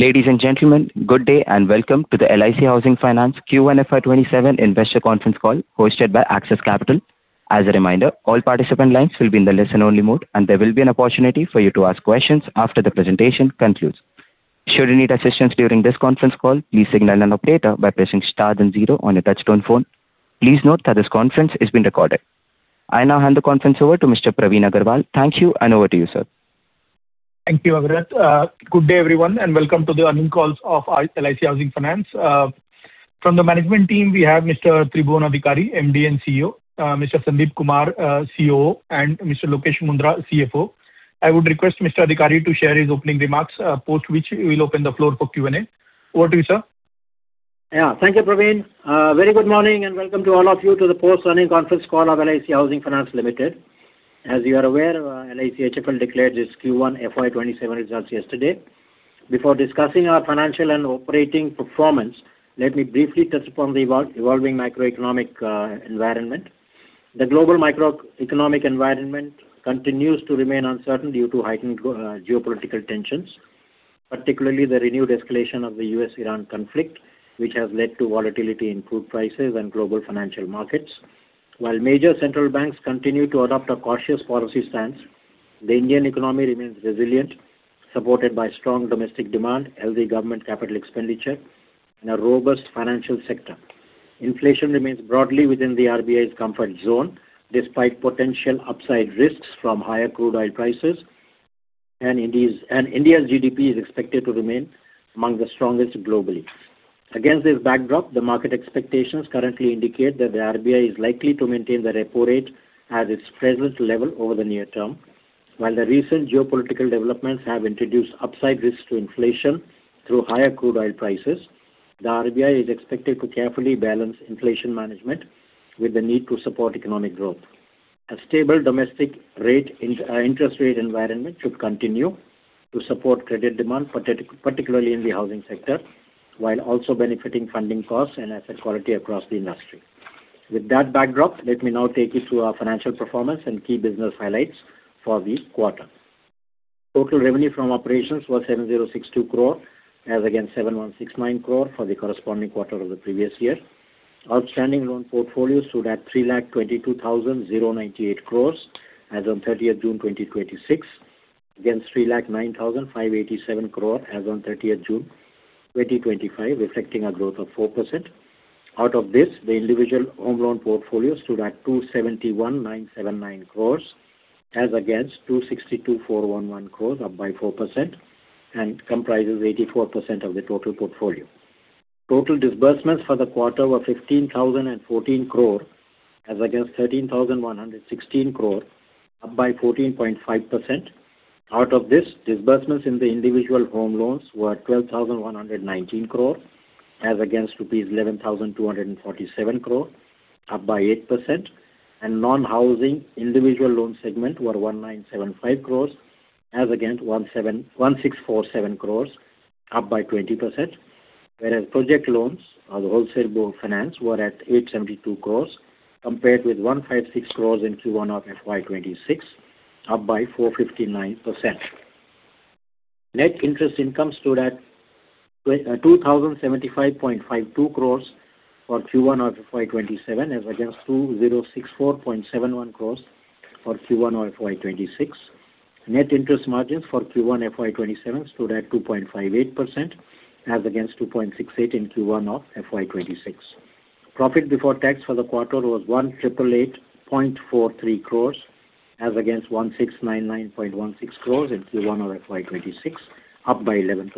Ladies and gentlemen, good day, welcome to the LIC Housing Finance Q1 FY 2027 investor conference call hosted by Axis Capital. As a reminder, all participant lines will be in the listen-only mode. There will be an opportunity for you to ask questions after the presentation concludes. Should you need assistance during this conference call, please signal an operator by pressing star then zero on your touch-tone phone. Please note that this conference is being recorded. I now hand the conference over to Mr. Praveen Agarwal. Thank you, over to you, sir. Thank you, Avirat. Good day, everyone, welcome to the earning calls of LIC Housing Finance. From the management team, we have Mr. Tribhuwan Adhikari, MD and CEO, Mr. Sandeep Kumar, COO, Mr. Lokesh Mundhra, CFO. I would request Mr. Adhikari to share his opening remarks, post which we'll open the floor for Q&A. Over to you, sir. Thank you, Praveen. A very good morning, welcome to all of you to the post-earning conference call of LIC Housing Finance Limited. As you are aware, LIC HFL declared its Q1 FY 2027 results yesterday. Before discussing our financial and operating performance, let me briefly touch upon the evolving macroeconomic environment. The global macroeconomic environment continues to remain uncertain due to heightened geopolitical tensions, particularly the renewed escalation of the U.S.-Iran conflict, which has led to volatility in crude prices and global financial markets. While major central banks continue to adopt a cautious policy stance, the Indian economy remains resilient, supported by strong domestic demand, healthy government capital expenditure, robust financial sector. Inflation remains broadly within the RBI's comfort zone, despite potential upside risks from higher crude oil prices. India's GDP is expected to remain among the strongest globally. Against this backdrop, the market expectations currently indicate that the RBI is likely to maintain the repo rate at its present level over the near term. The recent geopolitical developments have introduced upside risks to inflation through higher crude oil prices. The RBI is expected to carefully balance inflation management with the need to support economic growth. A stable domestic interest rate environment should continue to support credit demand, particularly in the housing sector, while also benefiting funding costs and asset quality across the industry. With that backdrop, let me now take you through our financial performance and key business highlights for the quarter. Total revenue from operations was 706.2 crore, as against 716.9 crore for the corresponding quarter of the previous year. Outstanding loan portfolio stood at 322,098 crore as on 30th June 2026, against INR 309,587 crore as on 30th June 2025, reflecting a growth of 4%. Out of this, the individual home loan portfolio stood at 271,979 crore, as against 262,411 crore, up by 4%, and comprises 84% of the total portfolio. Total disbursements for the quarter were 15,014 crore, as against 13,116 crore, up by 14.5%. Out of this, disbursements in the individual home loans were 12,119 crore as against rupees 11,247 crore, up by 8%. Non-housing individual loan segment were 1,975 crore as against 1,647 crore, up by 20%. Whereas project loans or the wholesale loan finance were at 872 crore, compared with 156 crore in Q1 of FY 2026, up by 459%. Net interest income stood at 2,075.52 crore for Q1 of FY 2027 as against 2,064.71 crore for Q1 of FY 2026. Net interest margins for Q1 FY 2027 stood at 2.58%, as against 2.68% in Q1 of FY 2026. Profit before tax for the quarter was 1,888.43 crore as against 1,699.16 crore in Q1 of FY 2026, up by 11%.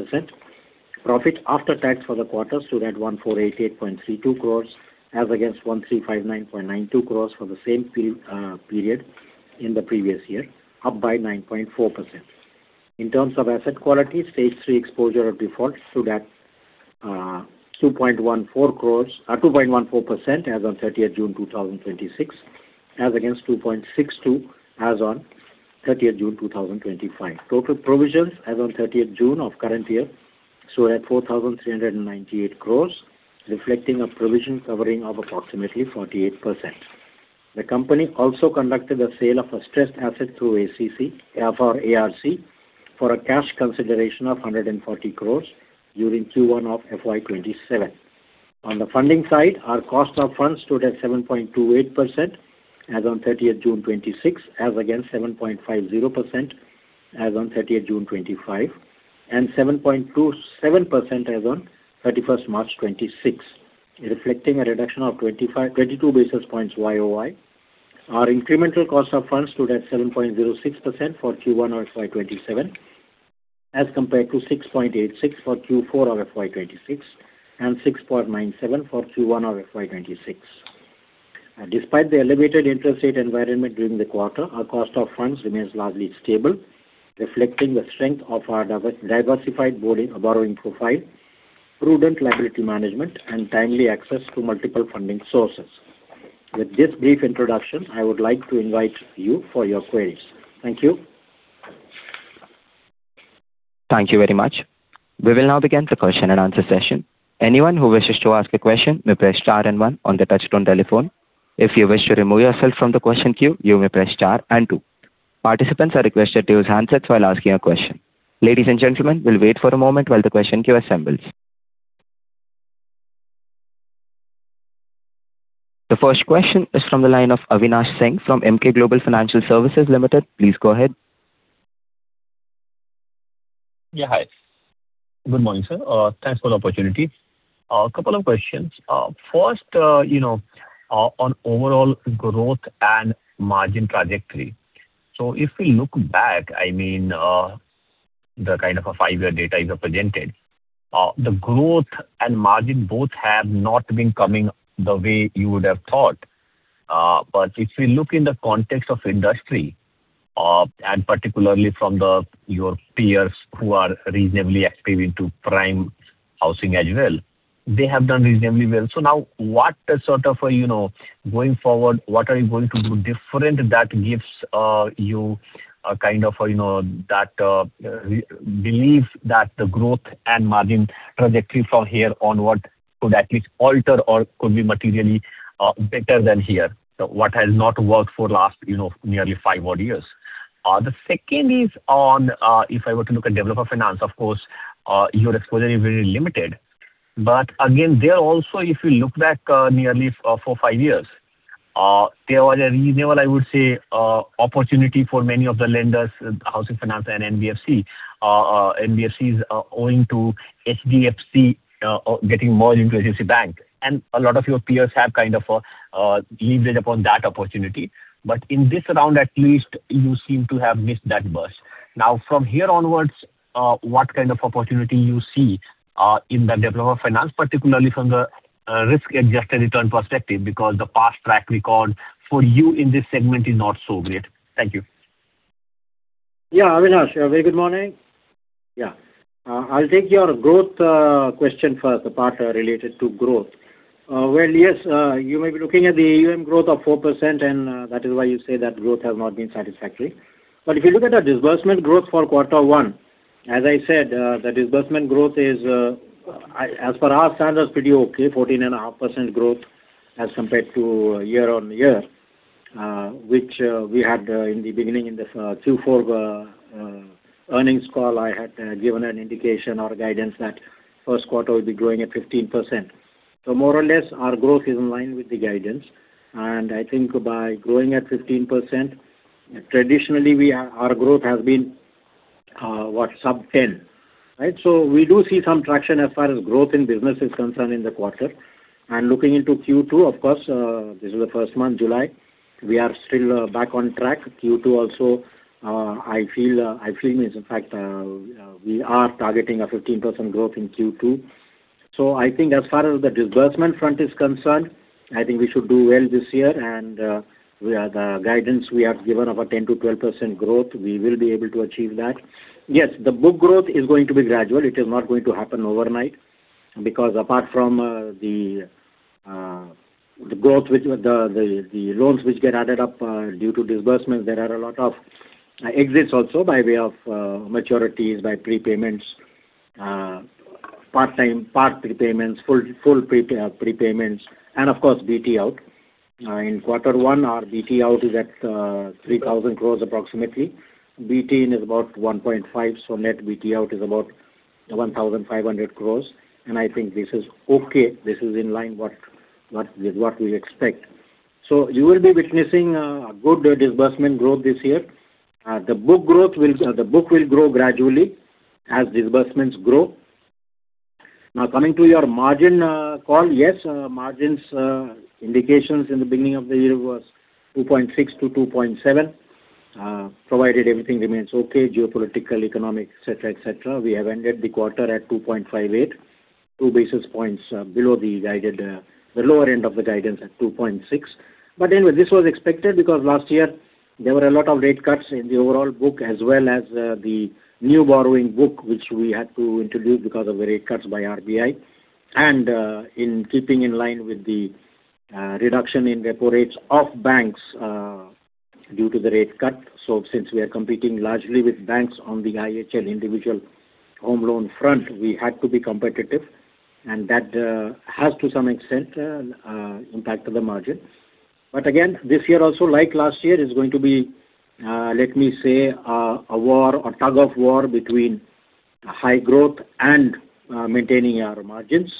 Profit after tax for the quarter stood at 1,488.32 crore as against 1,359.92 crore for the same period in the previous year, up by 9.4%. In terms of asset quality, stage three exposure or defaults stood at 2.14% as on 30th June 2026, as against 2.62% as on 30th June 2025. Total provisions as on 30th June of current year stood at 4,398 crore, reflecting a provision covering of approximately 48%. The company also conducted a sale of a stressed asset through ARC for a cash consideration of 140 crore during Q1 of FY 2027. On the funding side, our cost of funds stood at 7.28% as on 30th June 2026, as against 7.50% as on 30th June 2025, and 7.27% as on 31st March 2026, reflecting a reduction of 22 basis points YoY. Our incremental cost of funds stood at 7.06% for Q1 FY 2027 as compared to 6.86% for Q4 of FY 2026 and 6.97% for Q1 of FY 2026. Despite the elevated interest rate environment during the quarter, our cost of funds remains largely stable, reflecting the strength of our diversified borrowing profile, prudent liability management, and timely access to multiple funding sources. With this brief introduction, I would like to invite you for your queries. Thank you. Thank you very much. We will now begin the question-and-answer session. Anyone who wishes to ask a question may press star and one on the touchtone telephone. If you wish to remove yourself from the question queue, you may press star and two. Participants are requested to use handsets while asking a question. Ladies and gentlemen, we'll wait for a moment while the question queue assembles. The first question is from the line of Avinash Singh from Emkay Global Financial Services Limited. Please go ahead. Yeah, hi. Good morning, sir. Thanks for the opportunity. A couple of questions. First, on overall growth and margin trajectory. If we look back, the kind of a five-year data you have presented. The growth and margin both have not been coming the way you would have thought. If we look in the context of industry, and particularly from your peers who are reasonably active into prime housing as well, they have done reasonably well. Now, going forward, what are you going to do different that gives you belief that the growth and margin trajectory from here onward could at least alter or could be materially better than here? What has not worked for last nearly five odd years. The second is on, if I were to look at developer finance, of course, your exposure is very limited. Again, there also, if you look back nearly four, five years, there was a reasonable, I would say, opportunity for many of the lenders, housing finance and NBFCs owing to HDFC getting merged into HDFC Bank. A lot of your peers have leveraged upon that opportunity. In this round, at least you seem to have missed that bus. Now, from here onwards, what kind of opportunity you see in the developer finance, particularly from the risk-adjusted return perspective because the past track record for you in this segment is not so great. Thank you. Avinash. Very good morning. I'll take your growth question first, the part related to growth. Yes, you may be looking at the year-on-year growth of 4%, and that is why you say that growth has not been satisfactory. If you look at the disbursement growth for quarter one, as I said, the disbursement growth is, as per our standards, pretty okay, 14.5% growth as compared to year-on-year, which we had in the beginning in this Q4 earnings call, I had given an indication or guidance that first quarter will be growing at 15%. More or less, our growth is in line with the guidance. I think by growing at 15%, traditionally our growth has been sub 10, right? We do see some traction as far as growth in business is concerned in the quarter. Looking into Q2, of course, this is the first month, July. We are still back on track. Q2 also, I feel, in fact, we are targeting a 15% growth in Q2. I think as far as the disbursement front is concerned, I think we should do well this year and the guidance we have given of a 10%-12% growth, we will be able to achieve that. Yes, the book growth is going to be gradual. It is not going to happen overnight because apart from the loans which get added up due to disbursements, there are a lot of exits also by way of maturities, by prepayments, part prepayments, full prepayments and of course, BT out. In quarter one, our BT out is at 3,000 crore approximately. BT in is about 1,500 crore, so net BT out is about 1,500 crore and I think this is okay. This is in line with what we expect. You will be witnessing a good disbursement growth this year. The book will grow gradually as disbursements grow. Coming to your margin call. Margins indications in the beginning of the year was 2.6%-2.7%, provided everything remains okay, geopolitical, economic, et cetera. We have ended the quarter at 2.58%, 2 basis points below the lower end of the guidance at 2.6%. Anyway, this was expected because last year there were a lot of rate cuts in the overall book as well as the new borrowing book which we had to introduce because of the rate cuts by RBI and in keeping in line with the reduction in repo rates of banks due to the rate cut. Since we are competing largely with banks on the IHL individual home loan front, we had to be competitive and that has to some extent impacted the margin. Again, this year also like last year is going to be, let me say, a war or tug of war between high growth and maintaining our margins.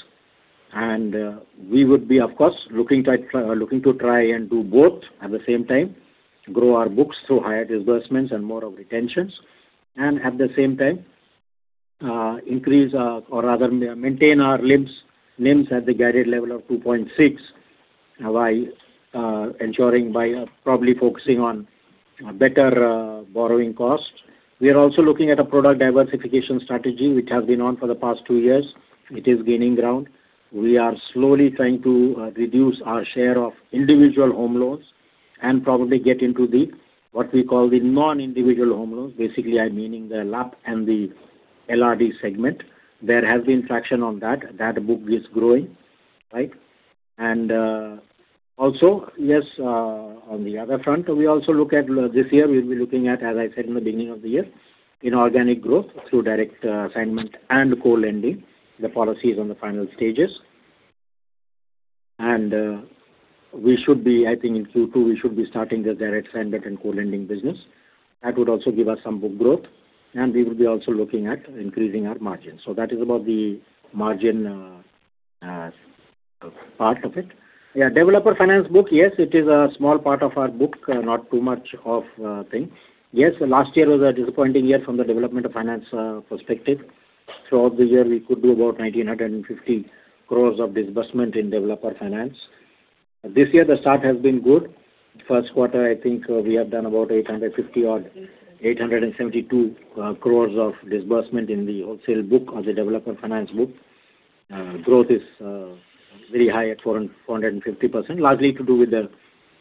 We would be, of course, looking to try and do both at the same time, grow our books through higher disbursements and more of retentions and at the same time increase or rather maintain our NIMs at the guided level of 2.6%, while ensuring by probably focusing on better borrowing cost. We are also looking at a product diversification strategy, which has been on for the past two years. It is gaining ground. We are slowly trying to reduce our share of individual home loans and probably get into the what we call the non-individual home loans. Basically, I am meaning the LAP and the LRD segment. There has been traction on that. That book is growing. Right? On the other front, this year we will be looking at, as I said in the beginning of the year, inorganic growth through direct assignment and co-lending. The policy is on the final stages. I think in Q2 we should be starting the direct assignment and co-lending business. That would also give us some book growth, and we will be also looking at increasing our margins. That is about the margin part of it. Yeah. Developer finance book. It is a small part of our book. Not too much of a thing. Last year was a disappointing year from the development of finance perspective. Throughout this year, we could do about 1,950 crore of disbursement in developer finance. This year the start has been good. First quarter, I think we have done about 850 crore odd, 872 crore of disbursement in the wholesale book or the developer finance book. Growth is very high at 450%, largely to do with the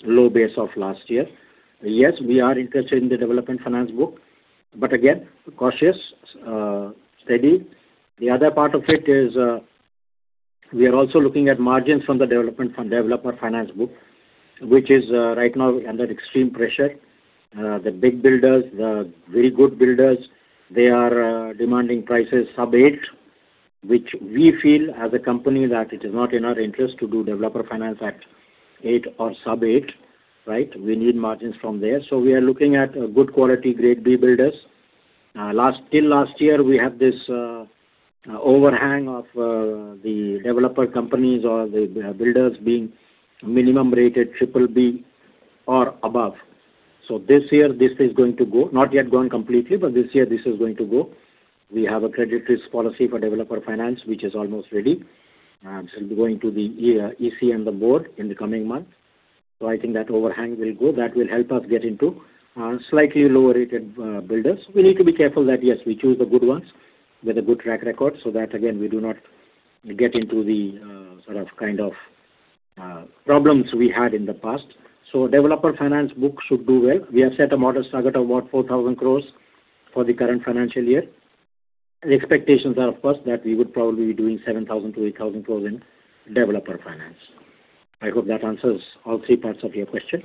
low base of last year. We are interested in the development finance book, again, cautious, steady. The other part of it is we are also looking at margins from the development fund, developer finance book. Which is right now under extreme pressure. The big builders, the very good builders, they are demanding prices sub 8%, which we feel as a company that it is not in our interest to do developer finance at 8% or sub 8%. We need margins from there. We are looking at good quality grade B builders. Till last year we had this overhang of the developer companies or the builders being minimum rated triple B or above. This year this is going to go, not yet gone completely, but this year this is going to go. We have a credit risk policy for developer finance which is almost ready. It'll be going to the EC and the board in the coming month. I think that overhang will go. That will help us get into slightly lower rated builders. We need to be careful that, yes, we choose the good ones with a good track record so that again, we do not get into the sort of problems we had in the past. Developer finance book should do well. We have set a modest target of about 4,000 crore for the current financial year. The expectations are, of course, that we would probably be doing 7,000 crore-8,000 crore in developer finance. I hope that answers all three parts of your question.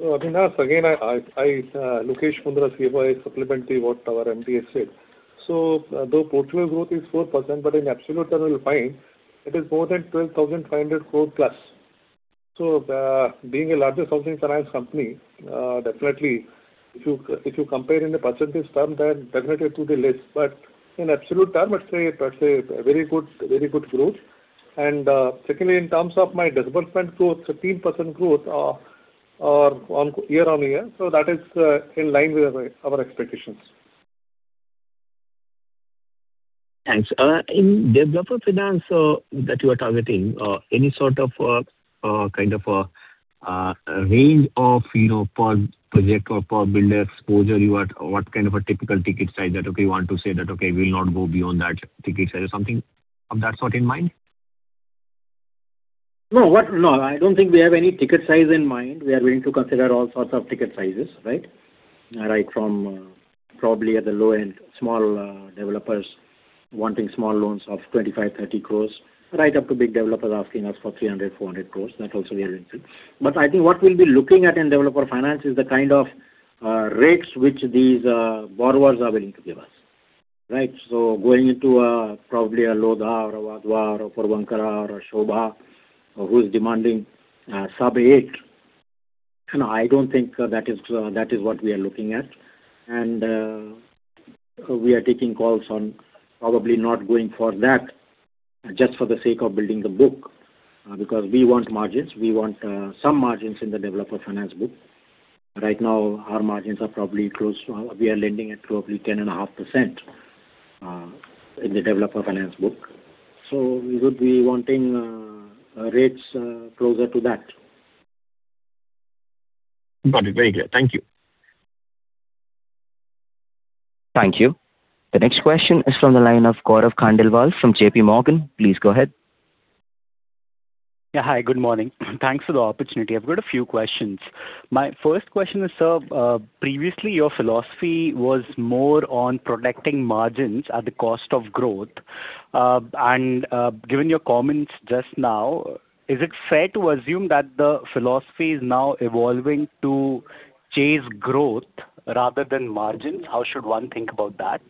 Avinash, again, Lokesh Mundhra here supplementing what our MD has said. Though portfolio growth is 4%, but in absolute term, you will find it is more than 12,500+ crore. Being a larger housing finance company, definitely if you compare in the percentage term, then definitely it will be less. But in absolute term, it's a very good growth. And secondly, in terms of my disbursement growth, 15% growth year-on-year. That is in line with our expectations. Thanks. In developer finance that you are targeting any sort of range of per project or per builder exposure, what kind of a typical ticket size that you want to say that, okay, we will not go beyond that ticket size or something of that sort in mind? No, I don't think we have any ticket size in mind. We are willing to consider all sorts of ticket sizes. From probably at the low end, small developers wanting small loans of 25 crore, 30 crore right up to big developers asking us for 300 crore, 400 crore. That also we are into. I think what we'll be looking at in developer finance is the kind of rates which these borrowers are willing to give us. Going into probably a Lodha or a Wadhwa or a Puravankara or a Sobha who is demanding sub 8%. No, I don't think that is what we are looking at. We are taking calls on probably not going for that just for the sake of building the book because we want margins. We want some margins in the developer finance book. Right now our margins are probably close. We are lending at probably 10.5% in the developer finance book. We would be wanting rates closer to that. Got it. Very clear. Thank you. Thank you. The next question is from the line of Gaurav Khandelwal from JPMorgan. Please go ahead. Yeah. Hi, good morning. Thanks for the opportunity. I have got a few questions. My first question is, sir, previously your philosophy was more on protecting margins at the cost of growth. Given your comments just now, is it fair to assume that the philosophy is now evolving to chase growth rather than margins? How should one think about that?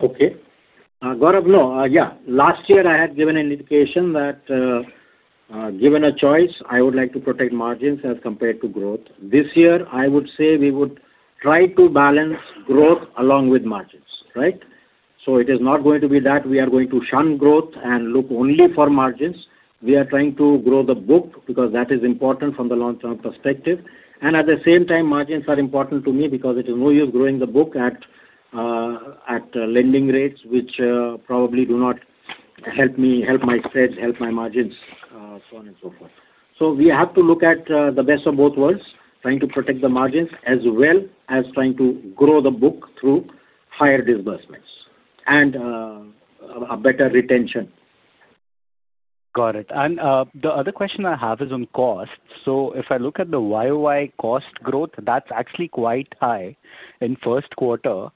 Okay. Gaurav, no. Last year I had given an indication that given a choice, I would like to protect margins as compared to growth. This year, I would say we would try to balance growth along with margins. It is not going to be that we are going to shun growth and look only for margins. We are trying to grow the book because that is important from the long-term perspective, and at the same time, margins are important to me because it is no use growing the book at lending rates which probably do not help my spreads, help my margins, so on and so forth. We have to look at the best of both worlds, trying to protect the margins as well as trying to grow the book through higher disbursements and a better retention. Got it. The other question I have is on cost. If I look at the YoY cost growth, that is actually quite high in first quarter.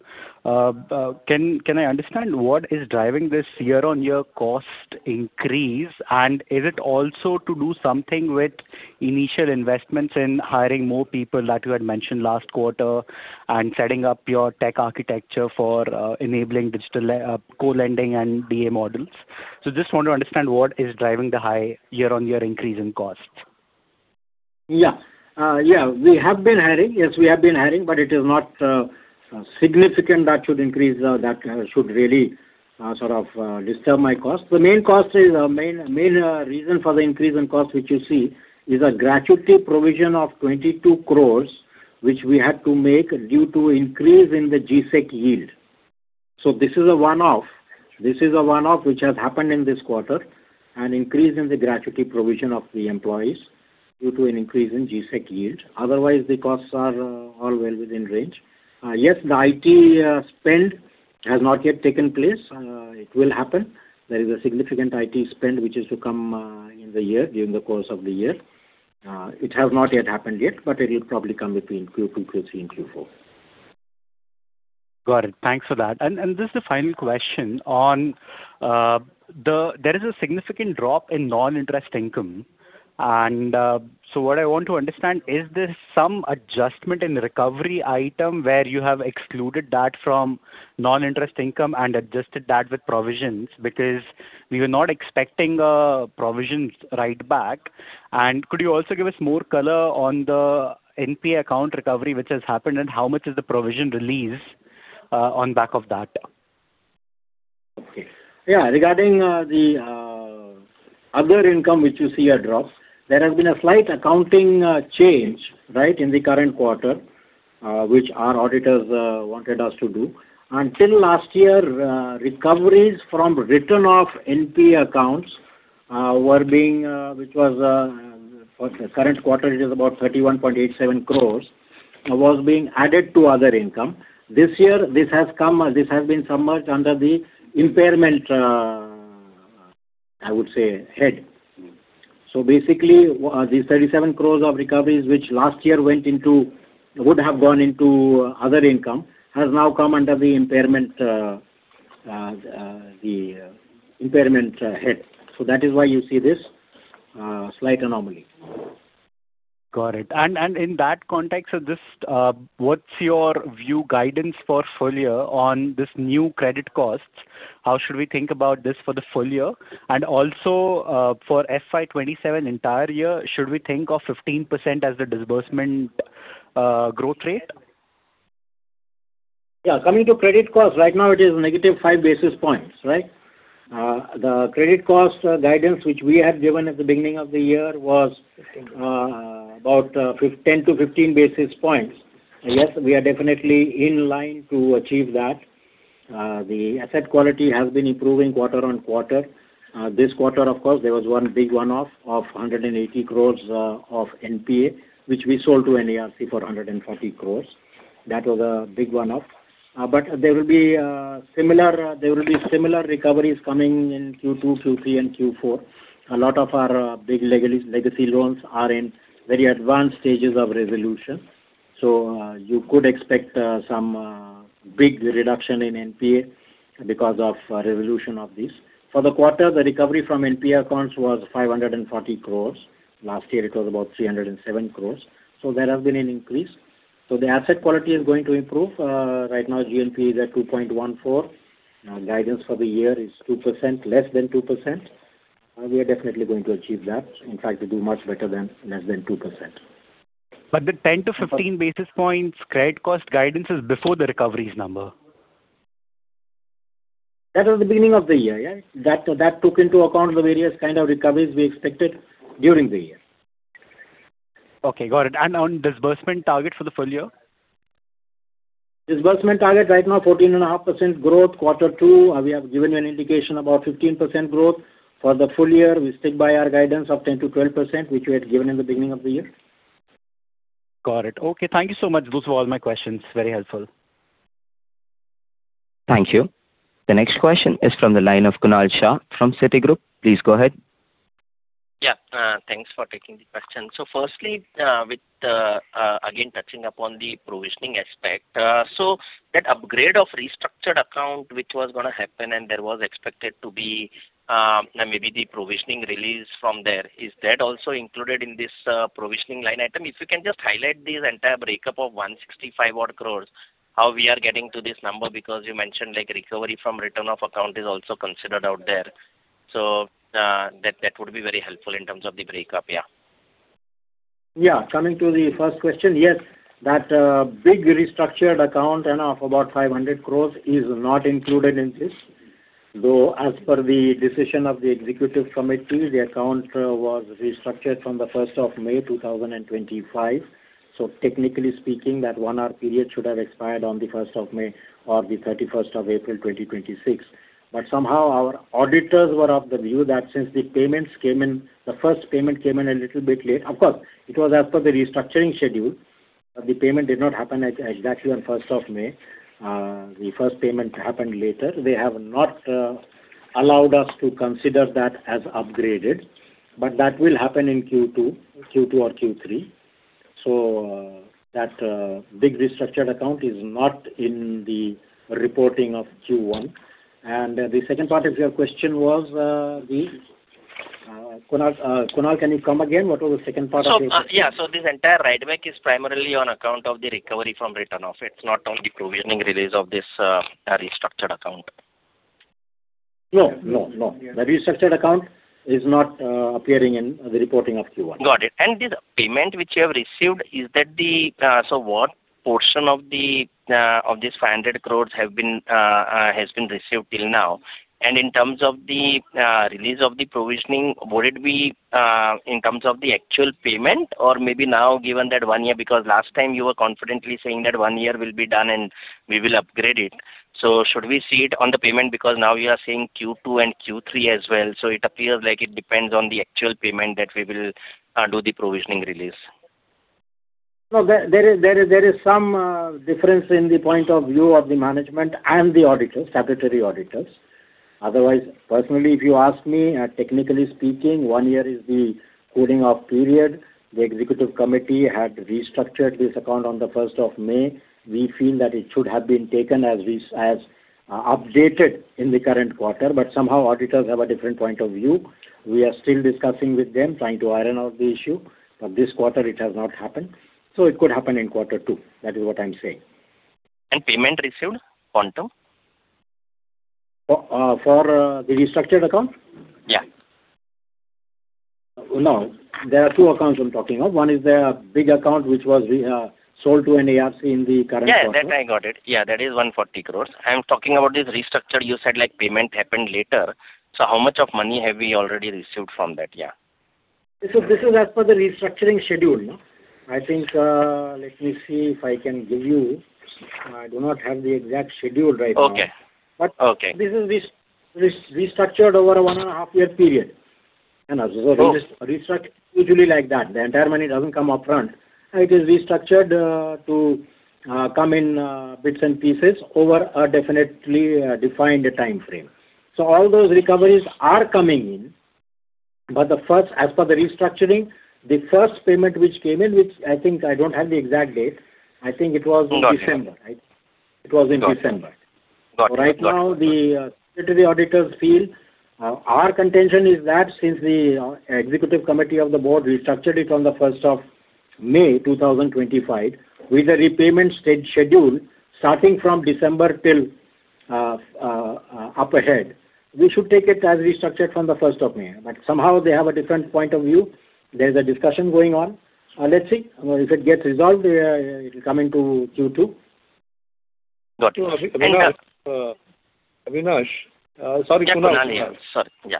Can I understand what is driving this year-on-year cost increase? Is it also to do something with initial investments in hiring more people that you had mentioned last quarter and setting up your tech architecture for enabling digital co-lending and DA models? Just want to understand what is driving the high year-on-year increase in cost. Yeah. We have been hiring. Yes, we have been hiring, but it is not significant that should really disturb my cost. The main reason for the increase in cost which you see is a gratuity provision of 22 crore, which we had to make due to increase in the G-Sec yield. This is a one-off. This is a one-off which has happened in this quarter, an increase in the gratuity provision of the employees due to an increase in G-Sec yield. Otherwise, the costs are all well within range. Yes, the IT spend has not yet taken place. It will happen. There is a significant IT spend which is to come during the course of the year. It has not yet happened yet, but it will probably come between Q2, Q3, and Q4. Got it. Thanks for that. This is the final question. There is a significant drop in non-interest income. What I want to understand, is there some adjustment in recovery item where you have excluded that from non-interest income and adjusted that with provisions? We were not expecting a provisions write back. Could you also give us more color on the NPA account recovery which has happened and how much is the provision release on back of that? Okay. Yeah, regarding the other income which you see a drop, there has been a slight accounting change in the current quarter which our auditors wanted us to do. Until last year, recoveries from written-off NPA accounts, for the current quarter it is about 31.87 crore, was being added to other income. This year, this has been submerged under the impairment, I would say, head. Basically, these 37 crore of recoveries, which last year would have gone into other income, has now come under the impairment head. That is why you see this slight anomaly. Got it. In that context, what's your view guidance for full year on this new credit cost? How should we think about this for the full year? Also, for FY 2027 entire year, should we think of 15% as the disbursement growth rate? Yeah. Coming to credit cost, right now it is -5 basis points. The credit cost guidance which we had given at the beginning of the year was about 10-15 basis points. Yes, we are definitely in line to achieve that. The asset quality has been improving quarter-on-quarter. This quarter, of course, there was one big one-off of 180 crore of NPA, which we sold to NARCL for 140 crore. That was a big one-off. There will be similar recoveries coming in Q2, Q3, and Q4. A lot of our big legacy loans are in very advanced stages of resolution. You could expect some big reduction in NPA because of resolution of this. For the quarter, the recovery from NPA accounts was 540 crore. Last year it was about 307 crore. There has been an increase. The asset quality is going to improve. Right now, GNPA is at 2.14%. Guidance for the year is less than 2%. We are definitely going to achieve that. In fact, we'll do much better than less than 2%. The 10-15 basis points credit cost guidance is before the recoveries number. That was the beginning of the year, yeah. That took into account the various kind of recoveries we expected during the year. Okay, got it. On disbursement target for the full year? Disbursement target right now, 14.5% growth. Quarter two, we have given you an indication about 15% growth. For the full year, we stick by our guidance of 10%-12%, which we had given in the beginning of the year. Got it. Okay. Thank you so much, those were all my questions. Very helpful. Thank you. The next question is from the line of Kunal Shah from Citigroup. Please go ahead. Thanks for taking the question. Firstly, again touching upon the provisioning aspect. That upgrade of restructured account which was going to happen and there was expected to be maybe the provisioning release from there, is that also included in this provisioning line item? If you can just highlight the entire breakup of 165 odd crore, how we are getting to this number, because you mentioned recovery from written-off account is also considered out there. That would be very helpful in terms of the breakup, yeah. Yeah. Coming to the first question, yes. That big restructured account of about 500 crore is not included in this. Though as per the decision of the executive committee, the account was restructured from the 1st of May 2025. Technically speaking, that one-hour period should have expired on the 1st of May or the 31st of April 2026. Somehow, our auditors were of the view that since the first payment came in a little bit late, of course, it was as per the restructuring schedule, but the payment did not happen exactly on 1st of May. The first payment happened later. They have not allowed us to consider that as upgraded, but that will happen in Q2 or Q3. That big restructured account is not in the reporting of Q1. The second part of your question was the Kunal, can you come again? What was the second part of your question? Yeah. This entire write-back is primarily on account of the recovery from written-off. It's not only provisioning release of this restructured account. No. The restructured account is not appearing in the reporting of Q1. Got it. This payment which you have received, what portion of this 500 crore has been received till now? In terms of the release of the provisioning, would it be in terms of the actual payment or maybe now given that one year, because last time you were confidently saying that one year will be done and we will upgrade it. Should we see it on the payment? Because now you are saying Q2 and Q3 as well, it appears like it depends on the actual payment that we will do the provisioning release. No, there is some difference in the point of view of the management and the auditors, statutory auditors. Otherwise, personally, if you ask me, technically speaking, one year is the cooling off period. The executive committee had restructured this account on the 1st of May. We feel that it should have been taken as updated in the current quarter, somehow auditors have a different point of view. We are still discussing with them, trying to iron out the issue, this quarter it has not happened. It could happen in quarter two. That is what I'm saying. Payment received quantum? For the restructured account? Yeah. No. There are two accounts I'm talking of. One is the big account which was sold to NARCL in the current quarter. Yeah, that I got it. Yeah, that is 140 crore. I'm talking about this restructure, you said like payment happened later. How much of money have we already received from that? Yeah. This is as per the restructuring schedule. I think, let me see if I can give you. I do not have the exact schedule right now. Okay. This is restructured over a one and a half year period. Oh. Restructured usually like that. The entire money doesn't come upfront. It is restructured to come in bits and pieces over a definitely defined time frame. All those recoveries are coming in. As per the restructuring, the first payment which came in, which I think I don't have the exact date, I think it was in December, right? It was in December. Got it. Right now, the statutory auditors feel our contention is that since the executive committee of the board restructured it on the 1st of May 2025, with a repayment schedule starting from December till up ahead, we should take it as restructured from the 1st of May. Somehow they have a different point of view. There's a discussion going on. Let's see. If it gets resolved, it'll come into Q2. Got it. Sorry, Kunal. Sorry. Yeah.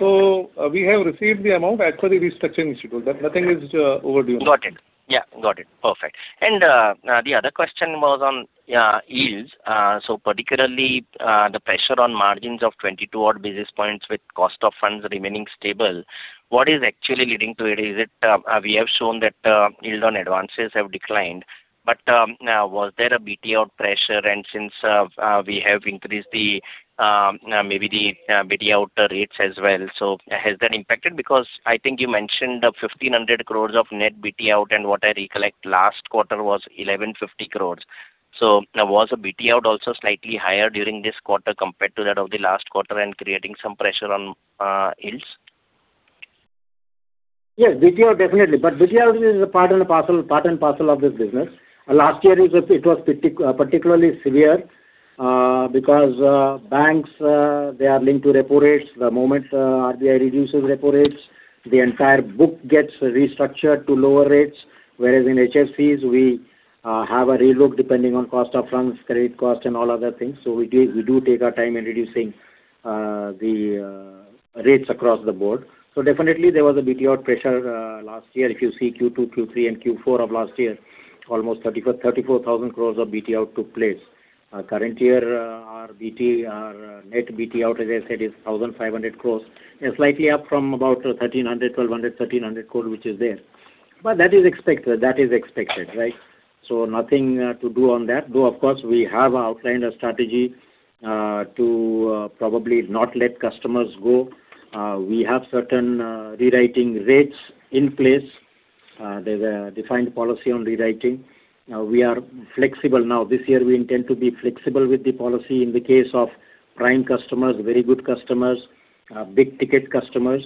We have received the amount as per the restructuring schedule, that nothing is overdue. Got it. Yeah. Got it. Perfect. The other question was on yields. Particularly the pressure on margins of 22 odd basis points with cost of funds remaining stable, what is actually leading to it? We have shown that yield on advances have declined, was there a BT out pressure and since we have increased maybe the BT out rates as well, has that impacted? I think you mentioned 1,500 crore of net BT out and what I recollect last quarter was 1,150 crore. Was the BT out also slightly higher during this quarter compared to that of the last quarter and creating some pressure on yields? Yes, BT out definitely. BT out is a part and parcel of this business. Last year it was particularly severe because banks are linked to repo rates. The moment RBI reduces repo rates, the entire book gets restructured to lower rates, whereas in HFCs we have a relook depending on cost of funds, credit cost and all other things. We do take our time in reducing the rates across the board. Definitely there was a BT out pressure last year. If you see Q2, Q3 and Q4 of last year, almost 34,000 crore of BT out took place. Current year, our net BT out, as I said, is 1,500 crore. It is slightly up from about 1,300, 1,200, 1,300 crore, which is there. That is expected, right? Nothing to do on that, though of course we have outlined a strategy to probably not let customers go. We have certain rewriting rates in place. There is a defined policy on rewriting. We are flexible now. This year we intend to be flexible with the policy in the case of prime customers, very good customers, big-ticket customers.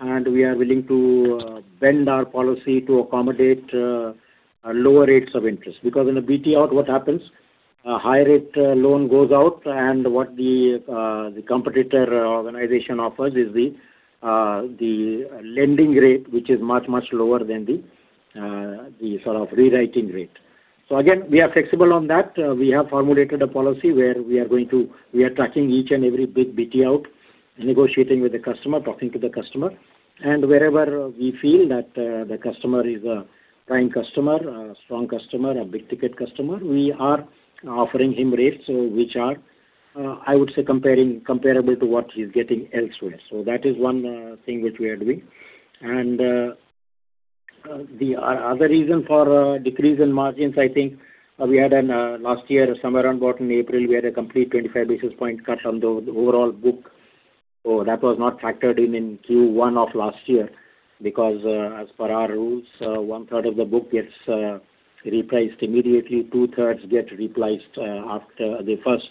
We are willing to bend our policy to accommodate lower rates of interest. In a BT out what happens? A high-rate loan goes out and what the competitor organization offers is the lending rate which is much, much lower than the rewriting rate. Again, we are flexible on that. We have formulated a policy where we are tracking each and every big BT out, negotiating with the customer, talking to the customer. Wherever we feel that the customer is a prime customer, a strong customer, a big-ticket customer, we are offering him rates which are, I would say, comparable to what he is getting elsewhere. That is one thing which we are doing. The other reason for decrease in margins, I think we had last year somewhere around about in April, we had a complete 25 basis point cut on the overall book. That was not factored in in Q1 of last year because as per our rules, 1/3 of the book gets replaced immediately, two-thirds get replaced after the first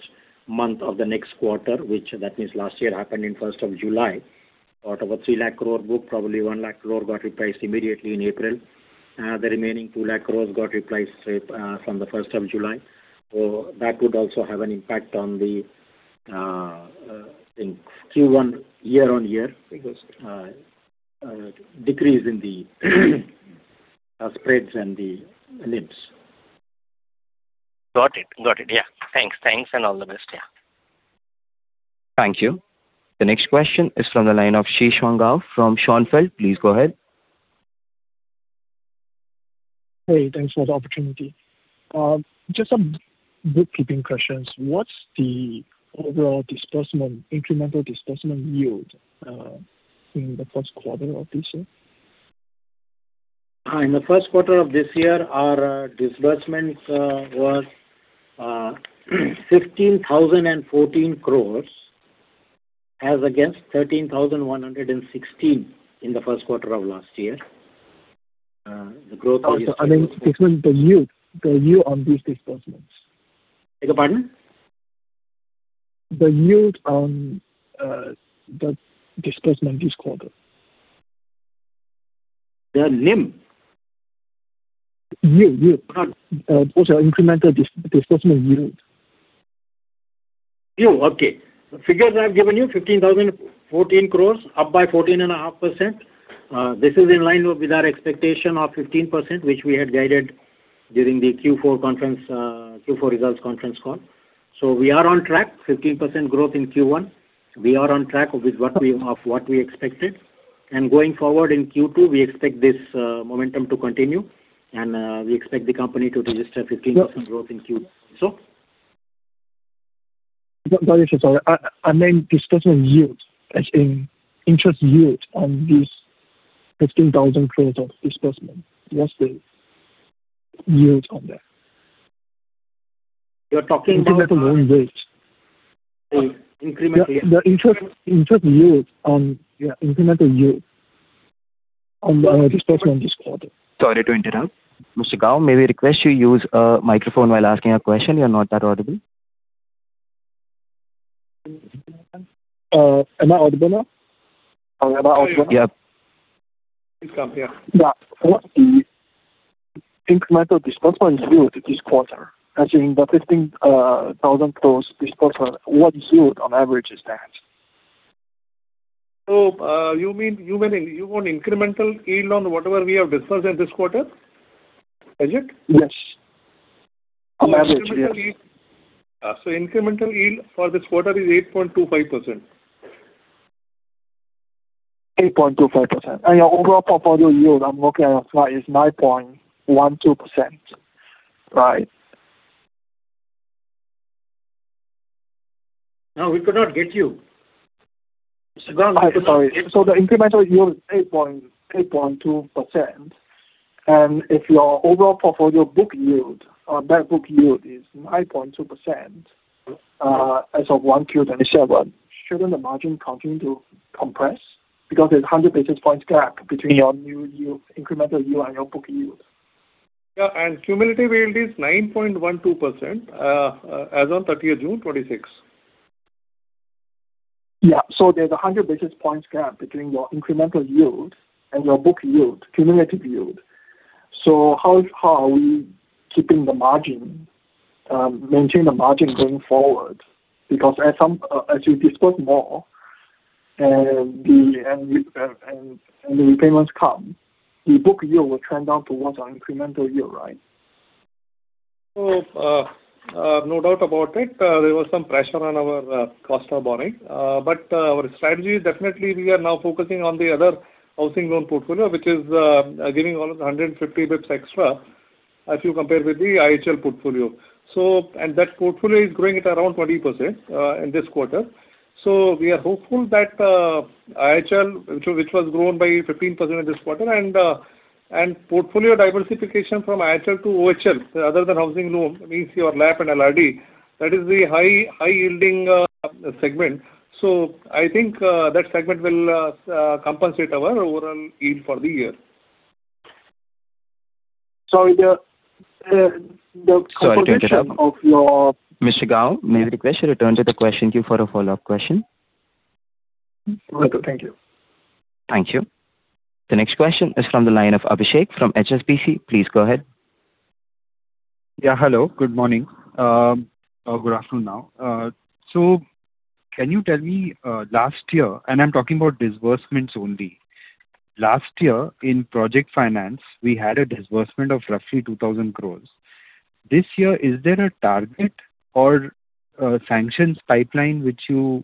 month of the next quarter, which that means last year happened in 1st of July. Out of a 3 lakh crore book, probably 1 lakh crore got repriced immediately in April. The remaining 2 lakh crore got repriced from the 1st of July. That would also have an impact on the, I think, Q1 year-on-year because decrease in the spreads and the NIMs. Got it. Yeah. Thanks. All the best. Yeah. Thank you. The next question is from the line of Zhixuan Gao from Schonfeld. Please go ahead. Hey, thanks for the opportunity. Just some bookkeeping questions. What's the overall incremental disbursement yield in the first quarter of this year? In the first quarter of this year, our disbursements was 15,014 crore as against 13,116 crore in the first quarter of last year. I mean, excuse me, the yield on these disbursements. Beg your pardon? The yield on the disbursement this quarter. The NIM? Yield. Those are incremental disbursement yield. Yield. Okay. The figures I've given you, 15,014 crore up by 14.5%. This is in line with our expectation of 15%, which we had guided during the Q4 results conference call. We are on track, 15% growth in Q1. We are on track with what we expected. Going forward in Q2, we expect this momentum to continue and we expect the company to register 15% growth in Q2. Sir? I mean disbursement yield, as in interest yield on these 15,000 crore of disbursement. What's the yield on that? You're talking about. Incremental loan rates. Incremental yield. The interest yield on the incremental yield on the disbursement this quarter. Sorry to interrupt. Mr. Gao, may we request you use a microphone while asking your question? You're not that audible. Am I audible now? Yep. Please come, yeah. What's the incremental disbursements yield this quarter? As in the 15,000 crore disbursement, what yield on average is that? You want incremental yield on whatever we have disbursed in this quarter? Is it? Yes. On average. Yes. Incremental yield for this quarter is 8.25%. 8.25%. Your overall portfolio yield, I'm looking at the slide, is 9.12%, right? No, we could not get you. Mr. Gao, we could not get you. Sorry. The incremental yield is 8.2%. If your overall portfolio book yield or net book yield is 9.2% as of 1Q, then shouldn't the margin continue to compress because there's 100 basis points gap between your new yield, incremental yield and your book yield? Yeah. Cumulative yield is 9.12% as on 30th June 2026. Yeah. There's 100 basis points gap between your incremental yield and your book yield, cumulative yield. How are we maintaining the margin going forward? Because as you disburse more and the repayments come, the book yield will trend down towards our incremental yield, right? No doubt about it, there was some pressure on our cost of borrowing. Our strategy is definitely we are now focusing on the other housing loan portfolio, which is giving all of the 150 basis points extra, if you compare with the IHL portfolio. That portfolio is growing at around 20% in this quarter. We are hopeful that IHL, which was grown by 15% in this quarter and portfolio diversification from IHL to OHL, other than housing loan, means your LAP and LRD, that is the high yielding segment. I think that segment will compensate our overall yield for the year. Sorry, the composition of your. Sorry to interrupt. Mr. Gao, may we request you return to the question queue for a follow-up question? Welcome. Thank you. Thank you. The next question is from the line of Abhishek from HSBC. Please go ahead. Hello, good morning. Good afternoon now. Can you tell me last year, and I'm talking about disbursements only. Last year in project finance, we had a disbursement of roughly 2,000 crore. This year, is there a target or a sanctions pipeline which you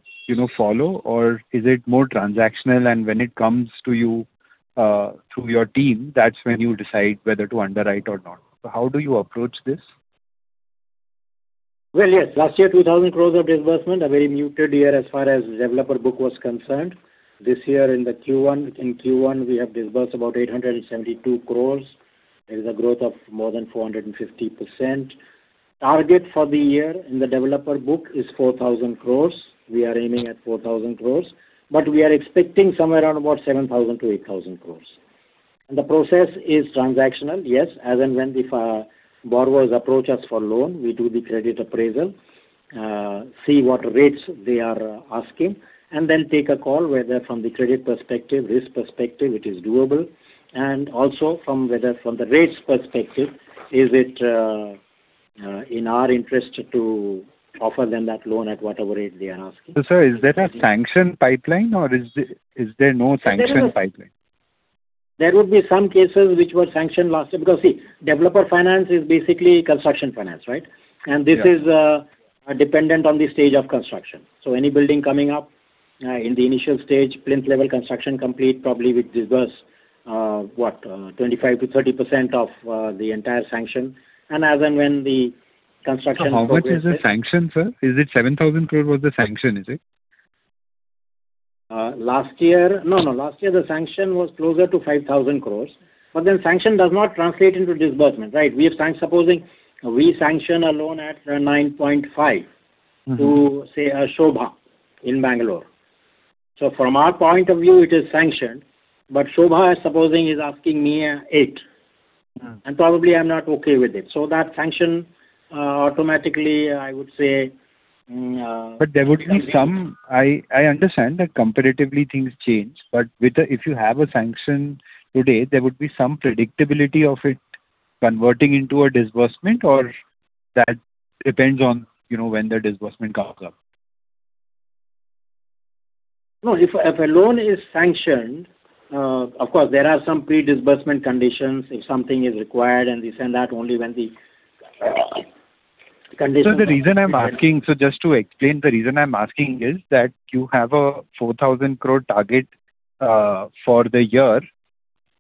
follow or is it more transactional and when it comes to you through your team, that's when you decide whether to underwrite or not? How do you approach this? Well, yes. Last year, 2,000 crore of disbursement, a very muted year as far as developer book was concerned. This year in Q1, we have disbursed about 872 crore. There is a growth of more than 450%. Target for the year in the developer book is 4,000 crore. We are aiming at 4,000 crore, but we are expecting somewhere around about 7,000 crore-8,000 crore. The process is transactional, yes. As and when the borrowers approach us for loan, we do the credit appraisal, see what rates they are asking, and then take a call whether from the credit perspective, risk perspective, it is doable. Also from whether from the rates perspective, is it in our interest to offer them that loan at whatever rate they are asking. Sir, is there a sanction pipeline or is there no sanction pipeline? There would be some cases which were sanctioned last year. See, developer finance is basically construction finance, right? Yeah. This is dependent on the stage of construction. Any building coming up in the initial stage, plinth level construction complete probably with disbursement, what? 25%-30% of the entire sanction. As and when the construction progresses. How much is the sanction, sir? Is it 7,000 crore was the sanction, is it? No. Last year the sanction was closer to 5,000 crore. Sanction does not translate into disbursement, right? Supposing we sanction a loan at 9.5% to, say, Sobha in Bengaluru. From our point of view, it is sanctioned. Sobha, supposing is asking me 8%. Probably I'm not okay with it. That sanction automatically. There would be some I understand that comparatively things change. If you have a sanction today, there would be some predictability of it converting into a disbursement or that depends on when the disbursement comes up. No. If a loan is sanctioned, of course, there are some pre-disbursement conditions. If something is required and this and that. Sir, just to explain, the reason I'm asking is that you have an 4,000 crore target for the year.